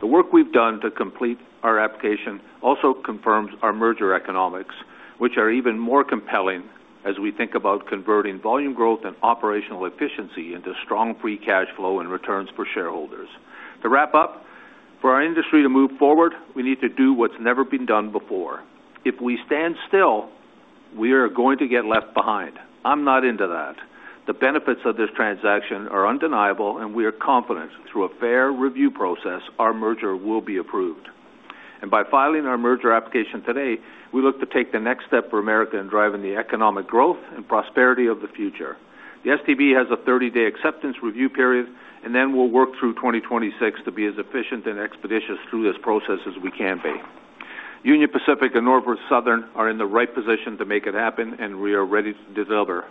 The work we've done to complete our application also confirms our merger economics, which are even more compelling as we think about converting volume growth and operational efficiency into strong free cash flow and returns for shareholders. To wrap up, for our industry to move forward, we need to do what's never been done before. If we stand still, we are going to get left behind. I'm not into that. The benefits of this transaction are undeniable, and we are confident through a fair review process our merger will be approved, and by filing our merger application today, we look to take the next step for America in driving the economic growth and prosperity of the future. The STB has a 30-day acceptance review period, and then we'll work through 2026 to be as efficient and expeditious through this process as we can be. Union Pacific and Norfolk Southern are in the right position to make it happen, and we are ready to deliver,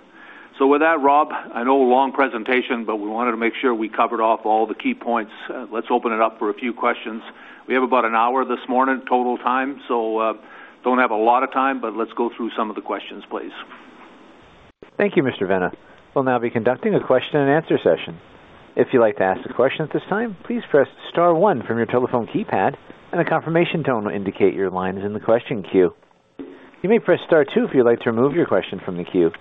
so with that, Rob, I know a long presentation, but we wanted to make sure we covered off all the key points. Let's open it up for a few questions. We have about an hour this morning total time, so don't have a lot of time, but let's go through some of the questions, please. Thank you, Mr. Vena. We'll now be conducting a question-and-answer session. If you'd like to ask a question at this time, please press Star one from your telephone keypad, and a confirmation tone will indicate your line is in the question queue. You may press Star two if you'd like to remove your question from the queue.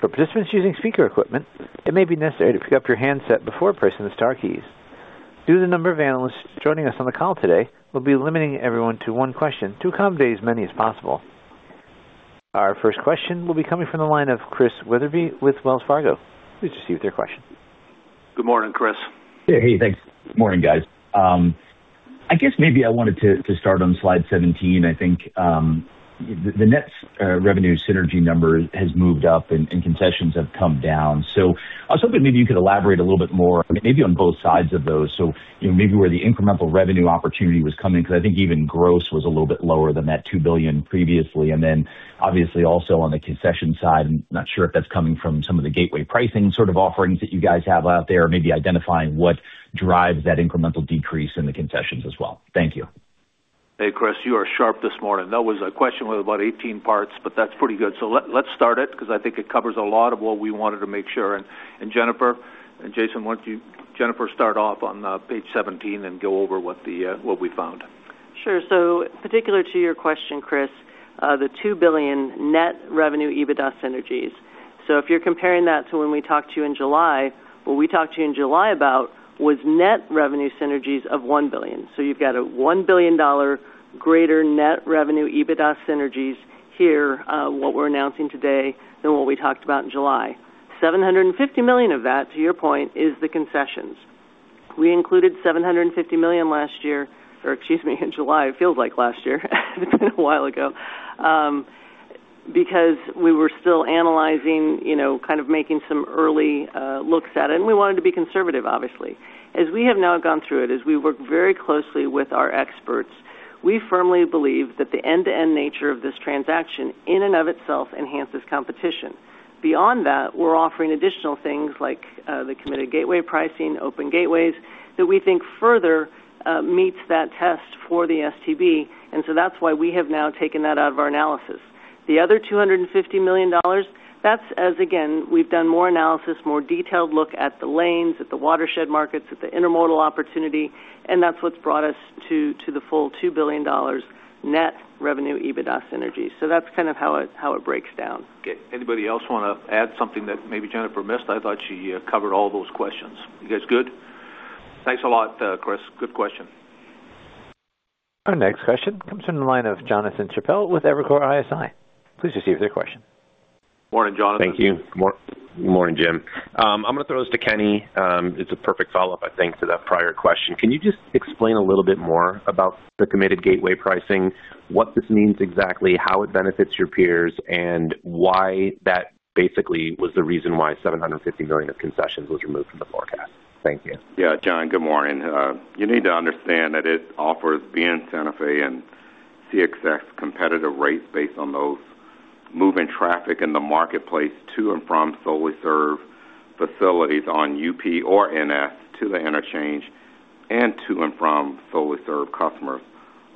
For participants using speaker equipment, it may be necessary to pick up your handset before pressing the Star keys. Due to the number of analysts joining us on the call today, we'll be limiting everyone to one question to accommodate as many as possible. Our first question will be coming from the line of Chris Wetherbee with Wells Fargo. Please proceed with your question. Good morning, Chris. Hey, thanks. Good morning, guys. I guess maybe I wanted to start on slide 17. I think the net revenue synergy number has moved up, and concessions have come down. So I was hoping maybe you could elaborate a little bit more, maybe on both sides of those, so maybe where the incremental revenue opportunity was coming, because I think even gross was a little bit lower than that $2 billion previously. And then, obviously, also on the concession side, I'm not sure if that's coming from some of the gateway pricing sort of offerings that you guys have out there, maybe identifying what drives that incremental decrease in the concessions as well. Thank you. Hey, Chris, you are sharp this morning. That was a question with about 18 parts, but that's pretty good, so let's start it because I think it covers a lot of what we wanted to make sure, and Jennifer and Jason, why don't you, Jennifer, start off on page 17 and go over what we found. Sure. So particular to your question, Chris, the $2 billion net revenue EBITDA synergies. So if you're comparing that to when we talked to you in July, what we talked to you in July about was net revenue synergies of $1 billion. So you've got a $1 billion greater net revenue EBITDA synergies here, what we're announcing today, than what we talked about in July. $750 million of that, to your point, is the concessions. We included $750 million last year, or excuse me, in July, it feels like last year. It's been a while ago, because we were still analyzing, kind of making some early looks at it, and we wanted to be conservative, obviously. As we have now gone through it, as we work very closely with our experts, we firmly believe that the end-to-end nature of this transaction in and of itself enhances competition. Beyond that, we're offering additional things like the Committed Gateway Pricing, open gateways, that we think further meets that test for the STB, and so that's why we have now taken that out of our analysis. The other $250 million, that's as, again, we've done more analysis, more detailed look at the lanes, at the watershed markets, at the intermodal opportunity, and that's what's brought us to the full $2 billion net revenue EBITDA synergy. So that's kind of how it breaks down. Okay. Anybody else want to add something that maybe Jennifer missed? I thought she covered all those questions. You guys good? Thanks a lot, Chris. Good question. Our next question comes from the line of Jonathan Chappell with Evercore ISI. Please proceed with your question. Morning, Jonathan. Thank you. Good morning, Jim. I'm going to throw this to Kenny. It's a perfect follow-up, I think, to that prior question. Can you just explain a little bit more about the Committed Gateway Pricing, what this means exactly, how it benefits your peers, and why that basically was the reason why $750 million of concessions was removed from the forecast? Thank you. Yeah, John, good morning. You need to understand that it offers BNSF and CSX competitive rates based on those moving traffic in the marketplace to and from solely served facilities on UP or NS to the interchange and to and from solely served customers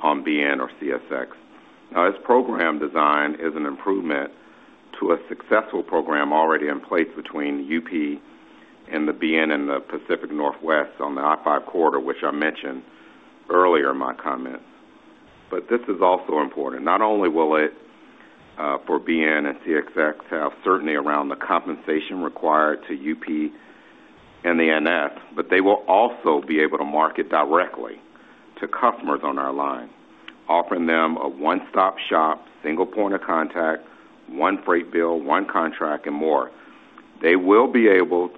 on BN or CSX. Now, this program design is an improvement to a successful program already in place between UP and the BN and the Pacific Northwest on the I-5 corridor, which I mentioned earlier in my comments. But this is also important. Not only will it, for BN and CSX, have certainty around the compensation required to UP and the NS, but they will also be able to market directly to customers on our line, offering them a one-stop shop, single point of contact, one freight bill, one contract, and more. They will be able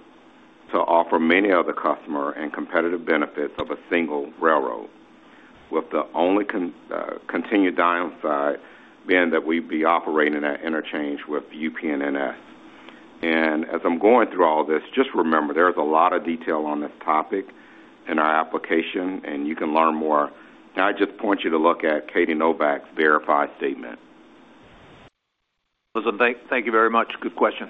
to offer many other customers and competitive benefits of a single railroad, with the only continued downside being that we'd be operating at interchange with UP and NS. And as I'm going through all this, just remember, there is a lot of detail on this topic in our application, and you can learn more. Can I just point you to look at Katie Novak's verified statement? Listen, thank you very much. Good question.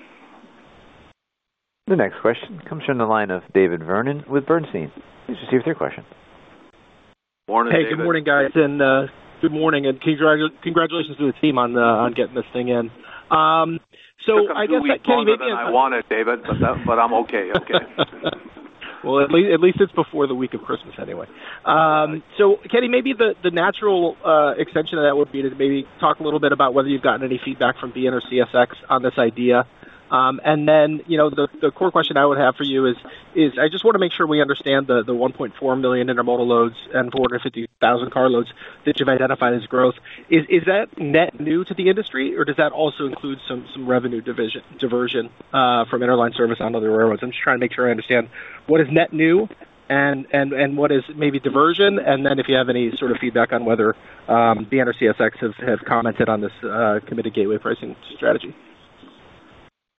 The next question comes from the line of David Vernon with Bernstein. Please proceed with your question. Morning, David Hey, good morning, guys. And good morning, and congratulations to the team on getting this thing in. So I guess, Kenny, maybe I'm. I want it, David, but I'm okay, okay. At least it's before the week of Christmas anyway. Kenny, maybe the natural extension of that would be to maybe talk a little bit about whether you've gotten any feedback from BN or CSX on this idea. Then the core question I would have for you is, I just want to make sure we understand the 1.4 million intermodal loads and 450,000 carloads that you've identified as growth. Is that net new to the industry, or does that also include some revenue diversion from interline service on other railroads? I'm just trying to make sure I understand. What is net new, and what is maybe diversion? Then if you have any sort of feedback on whether BN or CSX have commented on this Committed Gateway Pricing strategy.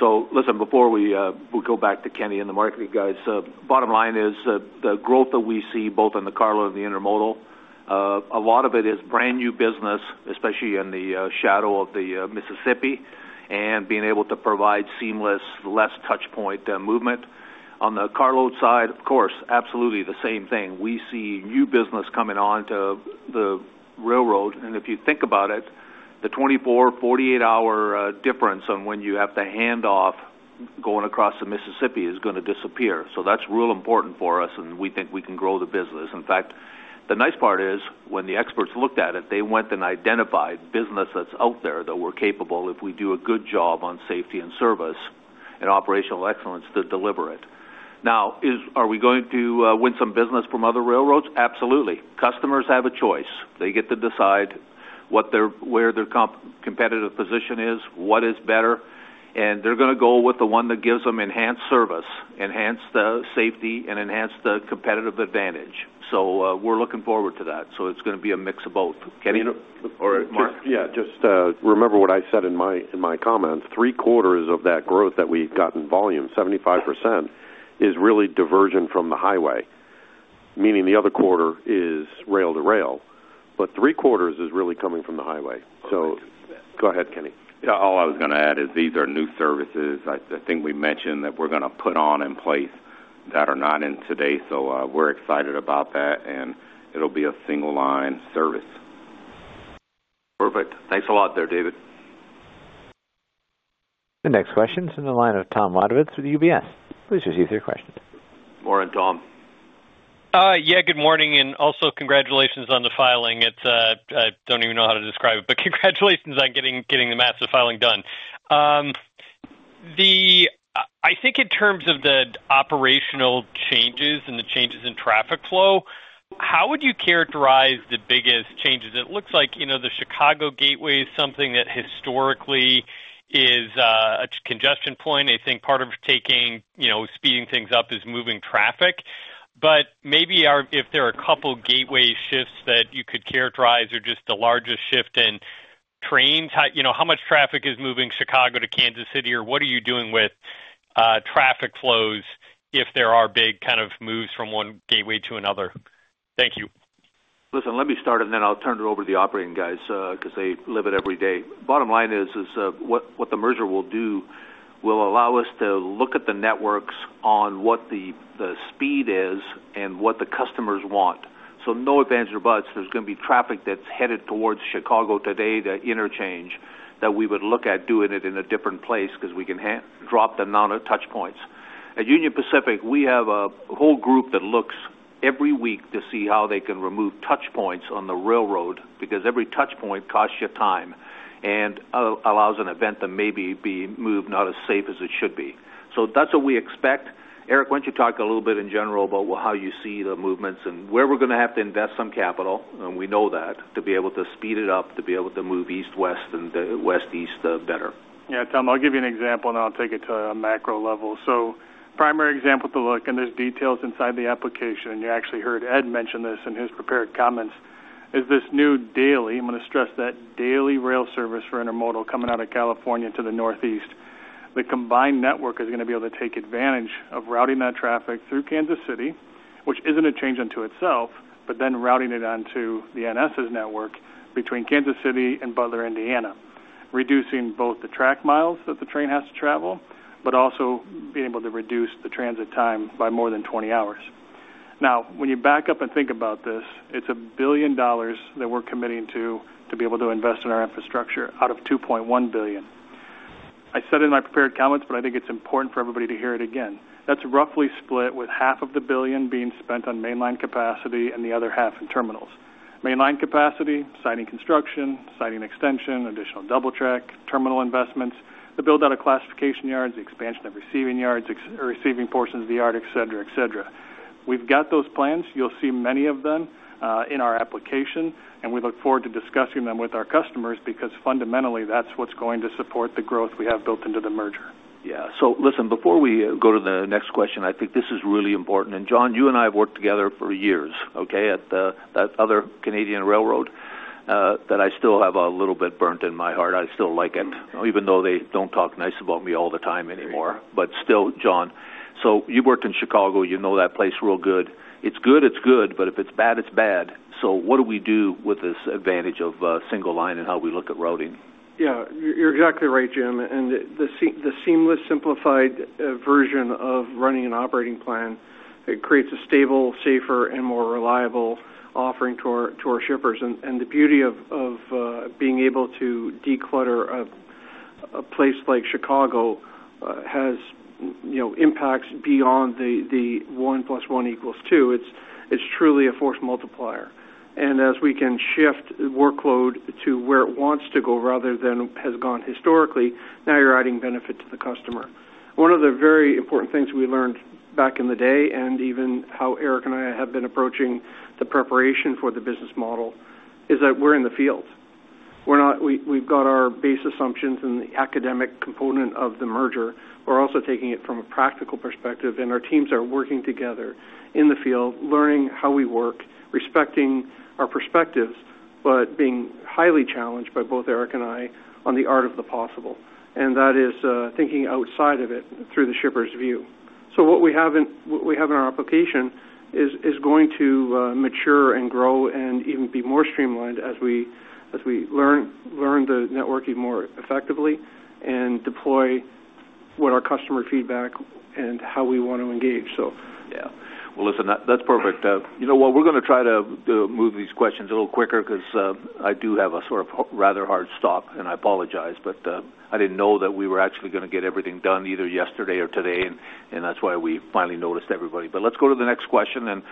So listen, before we go back to Kenny and the marketing guys, bottom line is the growth that we see both in the carload and the intermodal, a lot of it is brand new business, especially in the shadow of the Mississippi, and being able to provide seamless, less touchpoint movement. On the carload side, of course, absolutely the same thing. We see new business coming onto the railroad, and if you think about it, the 24-48-hour difference on when you have to hand off going across the Mississippi is going to disappear. So that's real important for us, and we think we can grow the business. In fact, the nice part is when the experts looked at it, they went and identified business that's out there that we're capable, if we do a good job on safety and service and operational excellence, to deliver it. Now, are we going to win some business from other railroads? Absolutely. Customers have a choice. They get to decide where their competitive position is, what is better, and they're going to go with the one that gives them enhanced service, enhanced safety, and enhanced competitive advantage. So we're looking forward to that. So it's going to be a mix of both. Kenny or Mark? Yeah, just remember what I said in my comments. Three quarters of that growth that we've got in volume, 75%, is really diversion from the highway, meaning the other quarter is rail to rail. But three quarters is really coming from the highway. So go ahead, Kenny. Yeah, all I was going to add is these are new services. I think we mentioned that we're going to put in place that are not in today, so we're excited about that, and it'll be a single-line service. Perfect. Thanks a lot there, David. The next question is from the line of Tom Wadewitz with UBS. Please proceed with your question. Morning, Tom. Yeah, good morning, and also congratulations on the filing. I don't even know how to describe it, but congratulations on getting the massive filing done. I think in terms of the operational changes and the changes in traffic flow, how would you characterize the biggest changes? It looks like the Chicago Gateway is something that historically is a congestion point. I think part of speeding things up is moving traffic. But maybe if there are a couple of gateway shifts that you could characterize or just the largest shift in trains, how much traffic is moving Chicago to Kansas City, or what are you doing with traffic flows if there are big kind of moves from one gateway to another? Thank you. Listen, let me start, and then I'll turn it over to the operating guys because they live it every day. Bottom line is what the merger will do will allow us to look at the networks on what the speed is and what the customers want. So no advantage or buts. There's going to be traffic that's headed towards Chicago today to interchange that we would look at doing it in a different place because we can drop the amount of touchpoints. At Union Pacific, we have a whole group that looks every week to see how they can remove touchpoints on the railroad because every touchpoint costs you time and allows an event to maybe be moved not as safe as it should be. So that's what we expect. Eric, why don't you talk a little bit in general about how you see the movements and where we're going to have to invest some capital, and we know that, to be able to speed it up, to be able to move east-west and west-east better. Yeah, Tom, I'll give you an example, and then I'll take it to a macro level. So primary example to look, and there's details inside the application. You actually heard Ed mention this in his prepared comments, is this new daily, I'm going to stress that, daily rail service for intermodal coming out of California to the Northeast. The combined network is going to be able to take advantage of routing that traffic through Kansas City, which isn't a change unto itself, but then routing it onto the NS's network between Kansas City and Butler, Indiana, reducing both the track miles that the train has to travel, but also being able to reduce the transit time by more than 20 hours. Now, when you back up and think about this, it's $1 billion that we're committing to to be able to invest in our infrastructure out of $2.1 billion. I said in my prepared comments, but I think it's important for everybody to hear it again. That's roughly split with $500 million being spent on mainline capacity and the other $500 million in terminals. Mainline capacity, siding construction, siding extension, additional double track, terminal investments, the build-out of classification yards, the expansion of receiving yards, receiving portions of the yard, etc., etc. We've got those plans. You'll see many of them in our application, and we look forward to discussing them with our customers because fundamentally that's what's going to support the growth we have built into the merger. Yeah. So listen, before we go to the next question, I think this is really important, and John, you and I have worked together for years, okay, at that other Canadian railroad that I still have a little bit burnt in my heart. I still like it, even though they don't talk nice about me all the time anymore, but still, John, so you've worked in Chicago. You know that place real good. It's good. It's good. But if it's bad, it's bad, so what do we do with this advantage of single line and how we look at routing? Yeah. You're exactly right, Jim. And the seamless, simplified version of running an operating plan, it creates a stable, safer, and more reliable offering to our shippers. And the beauty of being able to declutter a place like Chicago has impacts beyond the 1 +1=2. It's truly a force multiplier. And as we can shift workload to where it wants to go rather than has gone historically, now you're adding benefit to the customer. One of the very important things we learned back in the day, and even how Eric and I have been approaching the preparation for the business model, is that we're in the field. We've got our base assumptions and the academic component of the merger. We're also taking it from a practical perspective, and our teams are working together in the field, learning how we work, respecting our perspectives, but being highly challenged by both Eric and I on the art of the possible, and that is thinking outside of it through the shipper's view so what we have in our application is going to mature and grow and even be more streamlined as we learn the networking more effectively and deploy what our customer feedback and how we want to engage. Yeah. Well, listen, that's perfect. You know what? We're going to try to move these questions a little quicker because I do have a sort of rather hard stop, and I apologize, but I didn't know that we were actually going to get everything done either yesterday or today, and that's why we finally notified everybody. But let's go to the next question. And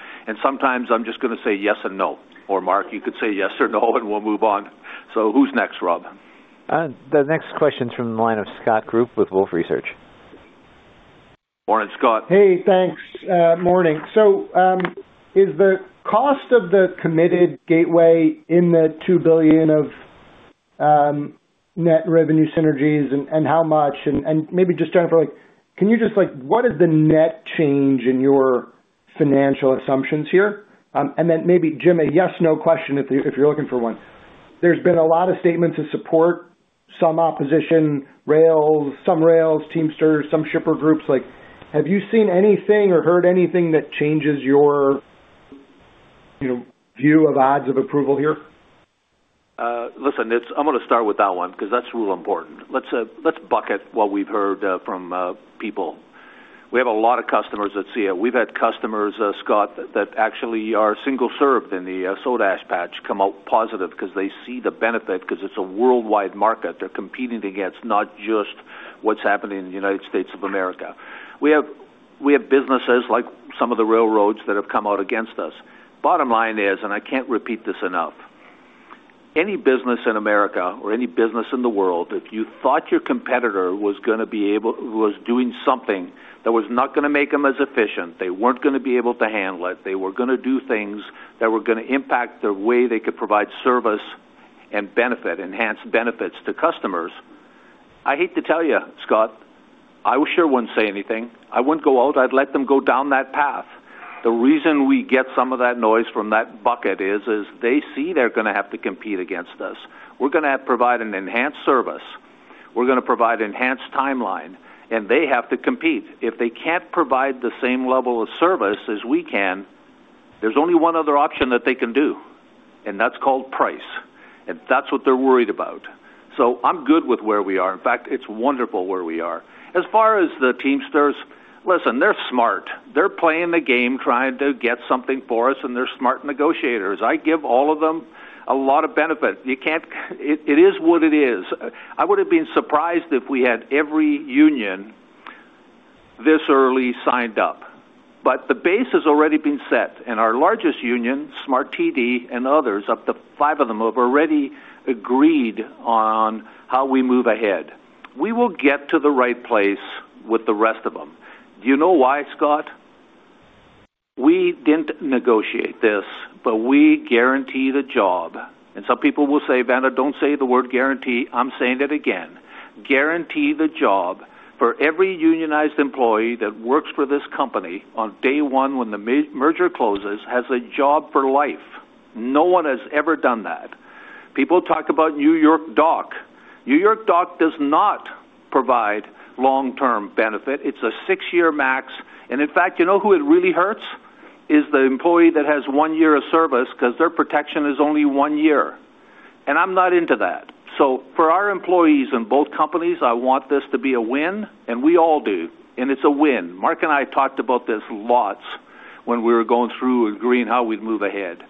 sometimes I'm just going to say yes and no. Or Mark, you could say yes or no, and we'll move on. So who's next, Rob? The next question is from the line of Scott Group with Wolfe Research. Morning, Scott. Hey, thanks. Morning. So is the cost of the Committed Gateway in the $2 billion of net revenue synergies and how much? And maybe just Jennifer, can you just what is the net change in your financial assumptions here? And then maybe Jim, a yes/no question if you're looking for one. There's been a lot of statements of support, some opposition, some rails, Teamsters, some shipper groups. Have you seen anything or heard anything that changes your view of odds of approval here? Listen, I'm going to start with that one because that's real important. Let's bucket what we've heard from people. We have a lot of customers that see it. We've had customers, Scott, that actually are single-served in the soda ash patch come out positive because they see the benefit because it's a worldwide market. They're competing against not just what's happening in the United States of America. We have businesses like some of the railroads that have come out against us. Bottom line is, and I can't repeat this enough, any business in America or any business in the world, if you thought your competitor was going to be able to do something that was not going to make them as efficient, they weren't going to be able to handle it, they were going to do things that were going to impact the way they could provide service and enhance benefits to customers. I hate to tell you, Scott, I sure wouldn't say anything. I wouldn't go out. I'd let them go down that path. The reason we get some of that noise from that bucket is they see they're going to have to compete against us. We're going to provide an enhanced service. We're going to provide an enhanced timeline, and they have to compete. If they can't provide the same level of service as we can, there's only one other option that they can do, and that's called price. And that's what they're worried about, so I'm good with where we are. In fact, it's wonderful where we are. As far as the Teamsters, listen, they're smart. They're playing the game trying to get something for us, and they're smart negotiators. I give all of them a lot of benefit. It is what it is. I would have been surprised if we had every union this early signed up, but the base has already been set, and our largest union, SMART-TD and others, up to five of them have already agreed on how we move ahead. We will get to the right place with the rest of them. Do you know why, Scott? We didn't negotiate this, but we guarantee the job. Some people will say, "Vena, don't say the word guarantee." I'm saying it again. Guarantee the job for every unionized employee that works for this company on day one when the merger closes has a job for life. No one has ever done that. People talk about New York Dock. New York Dock does not provide long-term benefit. It's a six-year max. And in fact, you know who it really hurts? It's the employee that has one year of service because their protection is only one year. And I'm not into that. So for our employees in both companies, I want this to be a win, and we all do. And it's a win. Mark and I talked about this lots when we were going through agreeing how we'd move ahead.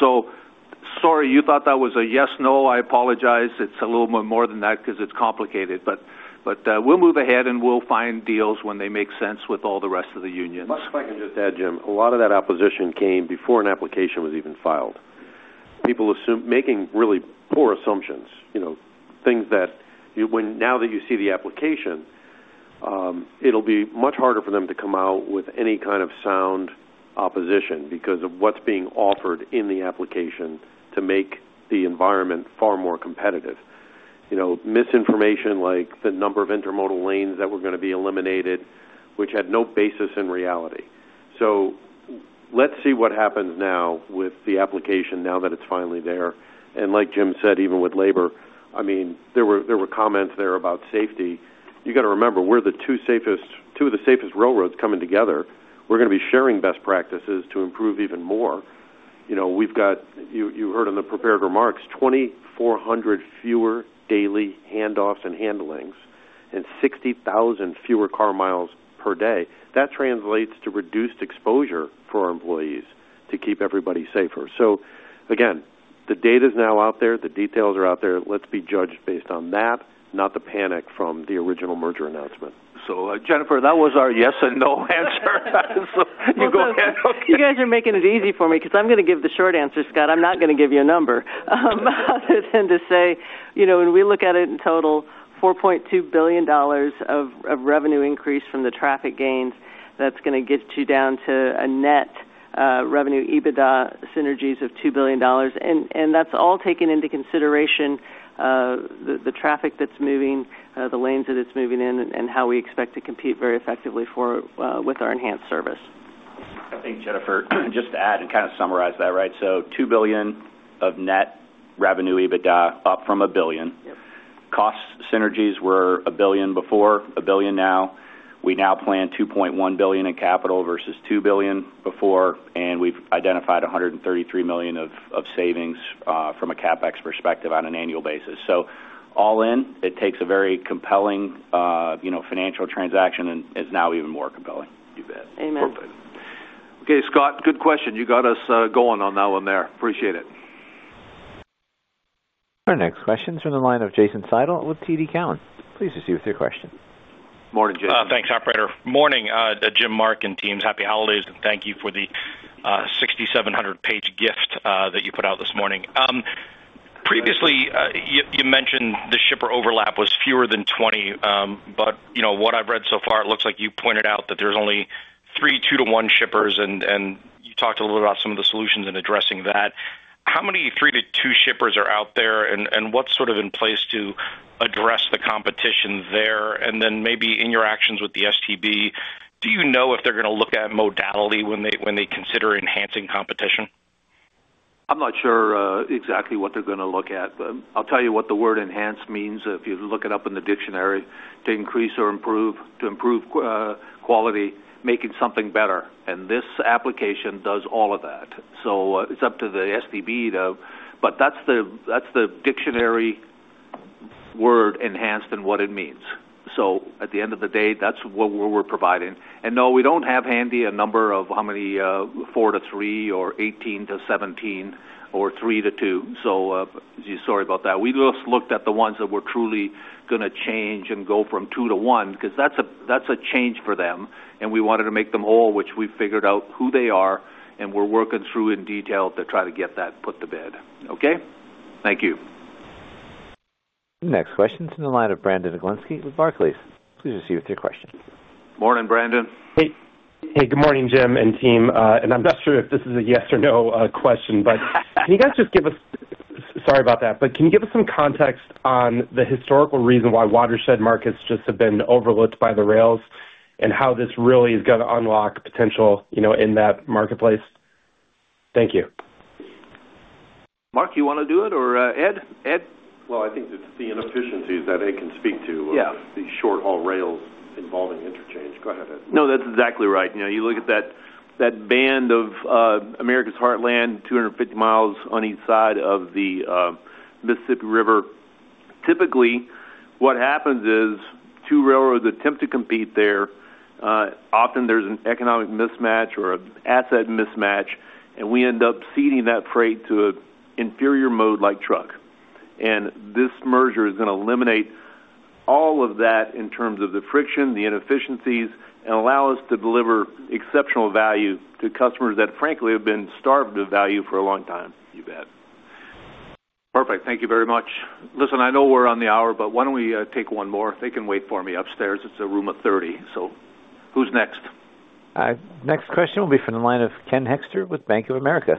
So sorry you thought that was a yes no. I apologize. It's a little bit more than that because it's complicated. But we'll move ahead, and we'll find deals when they make sense with all the rest of the unions. If I can just add, Jim, a lot of that opposition came before an application was even filed. People making really poor assumptions, things that now that you see the application, it'll be much harder for them to come out with any kind of sound opposition because of what's being offered in the application to make the environment far more competitive. Misinformation like the number of intermodal lanes that were going to be eliminated, which had no basis in reality. So let's see what happens now with the application now that it's finally there. And like Jim said, even with labor, I mean, there were comments there about safety. You got to remember, we're the two of the safest railroads coming together. We're going to be sharing best practices to improve even more. You heard in the prepared remarks, 2,400 fewer daily handoffs and handlings and 60,000 fewer car miles per day. That translates to reduced exposure for our employees to keep everybody safer. So again, the data is now out there. The details are out there. Let's be judged based on that, not the panic from the original merger announcement. So Jennifer, that was our yes and no answer. You go ahead. You guys are making it easy for me because I'm going to give the short answer, Scott. I'm not going to give you a number. Other than to say, when we look at it in total, $4.2 billion of revenue increase from the traffic gains, that's going to get you down to a net revenue EBITDA synergies of $2 billion, and that's all taken into consideration the traffic that's moving, the lanes that it's moving in, and how we expect to compete very effectively with our enhanced service. I think, Jennifer, just to add and kind of summarize that, right? So, $2 billion of net revenue EBITDA, up from a billion. Cost synergies were a billion before, a billion now. We now plan $2.1 billion in capital versus $2 billion before, and we've identified $133 million of savings from a CapEx perspective on an annual basis. So, all in, it takes a very compelling financial transaction and is now even more compelling. Amen. Perfect. Okay, Scott, good question. You got us going on now and then. Appreciate it. Our next question is from the line of Jason Seidl with TD Cowen. Please proceed with your question. Morning, Jason. Thanks, operator. Morning, Jim, Mark, and teams. Happy holidays, and thank you for the 6,700-page gift that you put out this morning. Previously, you mentioned the shipper overlap was fewer than 20, but what I've read so far, it looks like you pointed out that there's only three two-to-one shippers, and you talked a little bit about some of the solutions in addressing that. How many three-to-two shippers are out there, and what's sort of in place to address the competition there? And then maybe in your actions with the STB, do you know if they're going to look at modality when they consider enhancing competition? I'm not sure exactly what they're going to look at, but I'll tell you what the word enhance means if you look it up in the dictionary: to increase or improve, to improve quality, making something better, and this application does all of that. So it's up to the STB, but that's the dictionary word enhanced and what it means, so at the end of the day, that's what we're providing, and no, we don't have handy a number of how many four to three or 18 to 17 or three to two, so sorry about that. We just looked at the ones that were truly going to change and go from two to one because that's a change for them, and we wanted to make them all, which we've figured out who they are, and we're working through in detail to try to get that put to bed. Okay? Thank you. Next question is from the line of Brandon Oglenski with Barclays. Please proceed with your question. Morning, Brandon. Hey. Hey, good morning, Jim and team. And I'm not sure if this is a yes or no question, but can you guys just give us, sorry about that, but can you give us some context on the historical reason why watershed markets just have been overlooked by the rails and how this really is going to unlock potential in that marketplace? Thank you. Mark, you want to do it or Ed? Well, I think it's the inefficiencies that Ed can speak to of the short-haul rails involving interchange. Go ahead, Ed. No, that's exactly right. You look at that band of America's heartland, 250 miles on each side of the Mississippi River. Typically, what happens is two railroads attempt to compete there. Often, there's an economic mismatch or an asset mismatch, and we end up ceding that freight to an inferior mode like truck. And this merger is going to eliminate all of that in terms of the friction, the inefficiencies, and allow us to deliver exceptional value to customers that, frankly, have been starved of value for a long time. You bet. Perfect. Thank you very much. Listen, I know we're on the hour, but why don't we take one more? They can wait for me upstairs. It's a room of 30. So who's next? Next question will be from the line of Ken Hoexter with Bank of America.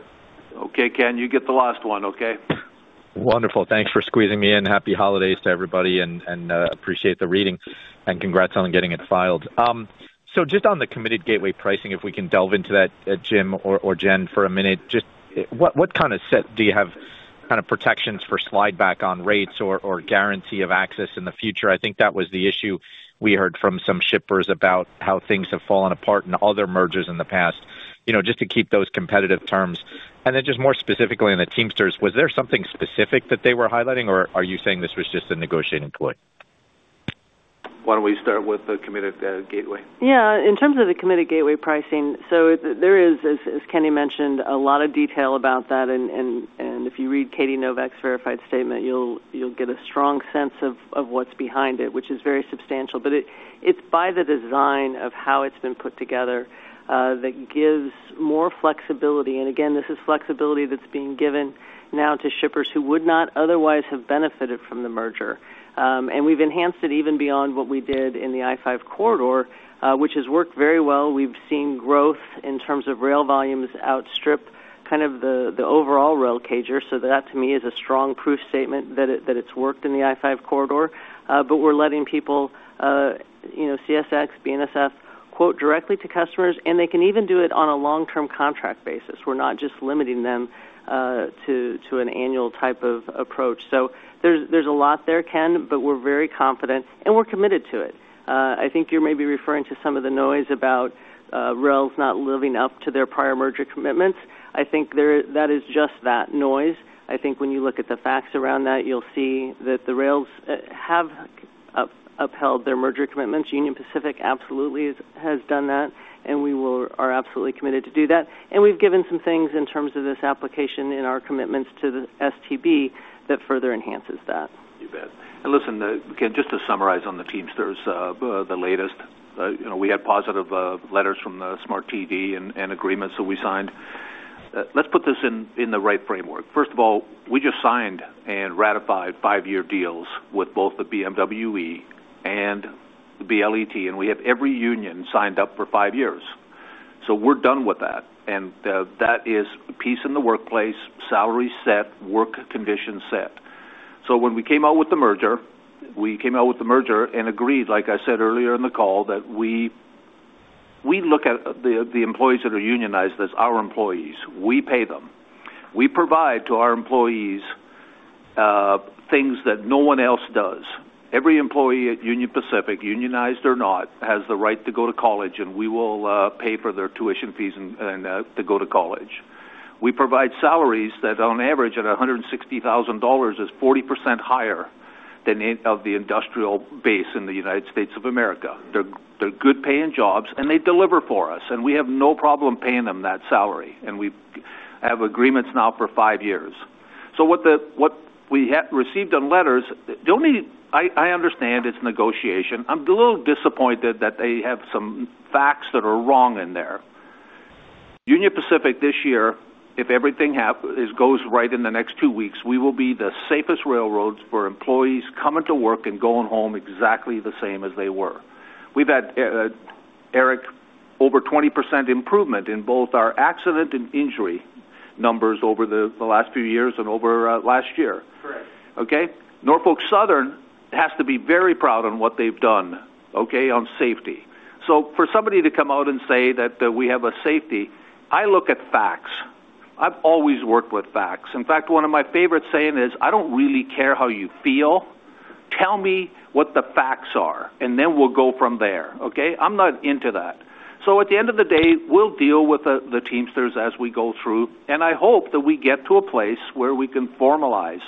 Okay, Ken, you get the last one, okay? Wonderful. Thanks for squeezing me in. Happy holidays to everybody, and appreciate the reading, and congrats on getting it filed. So just on the Committed Gateway Pricing, if we can delve into that, Jim or Jen, for a minute, just what kind of set do you have kind of protections for slide back on rates or guarantee of access in the future? I think that was the issue we heard from some shippers about how things have fallen apart in other mergers in the past, just to keep those competitive terms. And then just more specifically in the Teamsters, was there something specific that they were highlighting, or are you saying this was just a negotiating ploy? Why don't we start with the Committed Gateway? Yeah. In terms of the Committed Gateway Pricing, so there is, as Kenny mentioned, a lot of detail about that. And if you read Katie Novak's verified statement, you'll get a strong sense of what's behind it, which is very substantial. But it's by the design of how it's been put together that gives more flexibility. And again, this is flexibility that's being given now to shippers who would not otherwise have benefited from the merger. And we've enhanced it even beyond what we did in the I-5 Corridor, which has worked very well. We've seen growth in terms of rail volumes outstrip kind of the overall rail CAGR. So that, to me, is a strong proof statement that it's worked in the I-5 Corridor. But we're letting people, CSX, BNSF, quote directly to customers, and they can even do it on a long-term contract basis. We're not just limiting them to an annual type of approach. So there's a lot there, Ken, but we're very confident, and we're committed to it. I think you're maybe referring to some of the noise about rails not living up to their prior merger commitments. I think that is just that noise. I think when you look at the facts around that, you'll see that the rails have upheld their merger commitments. Union Pacific absolutely has done that, and we are absolutely committed to do that, and we've given some things in terms of this application in our commitments to the STB that further enhances that. You bet. And listen, Ken, just to summarize on the Teamsters, the latest, we had positive letters from the SMART-TD and agreements that we signed. Let's put this in the right framework. First of all, we just signed and ratified five-year deals with both the BMWED and the BLET, and we have every union signed up for five years. So we're done with that. And that is peace in the workplace, salary set, work conditions set. So when we came out with the merger, we came out with the merger and agreed, like I said earlier in the call, that we look at the employees that are unionized as our employees. We pay them. We provide to our employees things that no one else does. Every employee at Union Pacific, unionized or not, has the right to go to college, and we will pay for their tuition fees and to go to college. We provide salaries that, on average, at $160,000, is 40% higher than of the industrial base in the United States of America. They're good-paying jobs, and they deliver for us. And we have no problem paying them that salary. And we have agreements now for five years. So what we received on letters, I understand it's negotiation. I'm a little disappointed that they have some facts that are wrong in there. Union Pacific, this year, if everything goes right in the next two weeks, we will be the safest railroads for employees coming to work and going home exactly the same as they were. We've had, Eric, over 20% improvement in both our accident and injury numbers over the last few years and over last year. Correct. Okay? Norfolk Southern has to be very proud of what they've done, okay, on safety. So for somebody to come out and say that we have a safety, I look at facts. I've always worked with facts. In fact, one of my favorite sayings is, "I don't really care how you feel. Tell me what the facts are, and then we'll go from there." Okay? I'm not into that. So at the end of the day, we'll deal with the Teamsters as we go through. I hope that we get to a place where we can formalize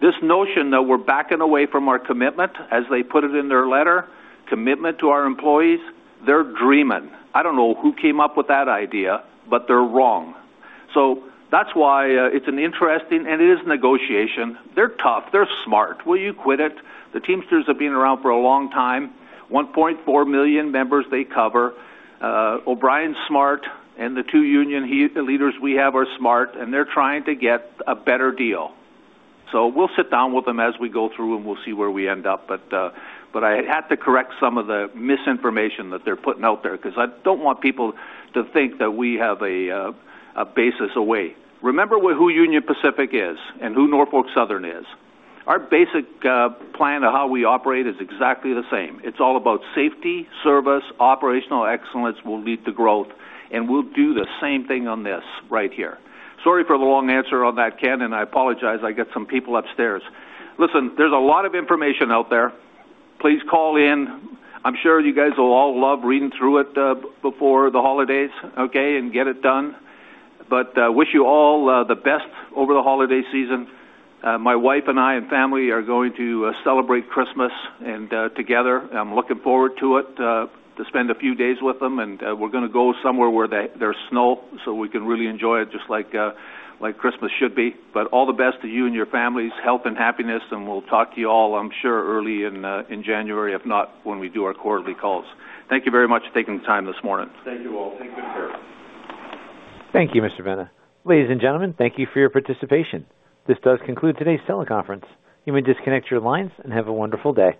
this notion that we're backing away from our commitment, as they put it in their letter, commitment to our employees. They're dreaming. I don't know who came up with that idea, but they're wrong. So that's why it's an interesting, and it is negotiation. They're tough. They're smart. Will you quit it? The Teamsters have been around for a long time. 1.4 million members they cover. O'Brien's smart, and the two union leaders we have are smart, and they're trying to get a better deal. So we'll sit down with them as we go through, and we'll see where we end up. But I had to correct some of the misinformation that they're putting out there because I don't want people to think that we have a basis away. Remember who Union Pacific is and who Norfolk Southern is. Our basic plan of how we operate is exactly the same. It's all about safety, service, operational excellence will lead to growth, and we'll do the same thing on this right here. Sorry for the long answer on that, Ken, and I apologize. I got some people upstairs. Listen, there's a lot of information out there. Please call in. I'm sure you guys will all love reading through it before the holidays, okay, and get it done but wish you all the best over the holiday season. My wife and I and family are going to celebrate Christmas together. I'm looking forward to it, to spend a few days with them and we're going to go somewhere where there's snow so we can really enjoy it just like Christmas should be but all the best to you and your families, health and happiness, and we'll talk to you all, I'm sure, early in January, if not when we do our quarterly calls. Thank you very much for taking the time this morning. Thank you all. Take good care. Thank you, Mr. Vena. Ladies and gentlemen, thank you for your participation. This does conclude today's teleconference. You may disconnect your lines and have a wonderful day.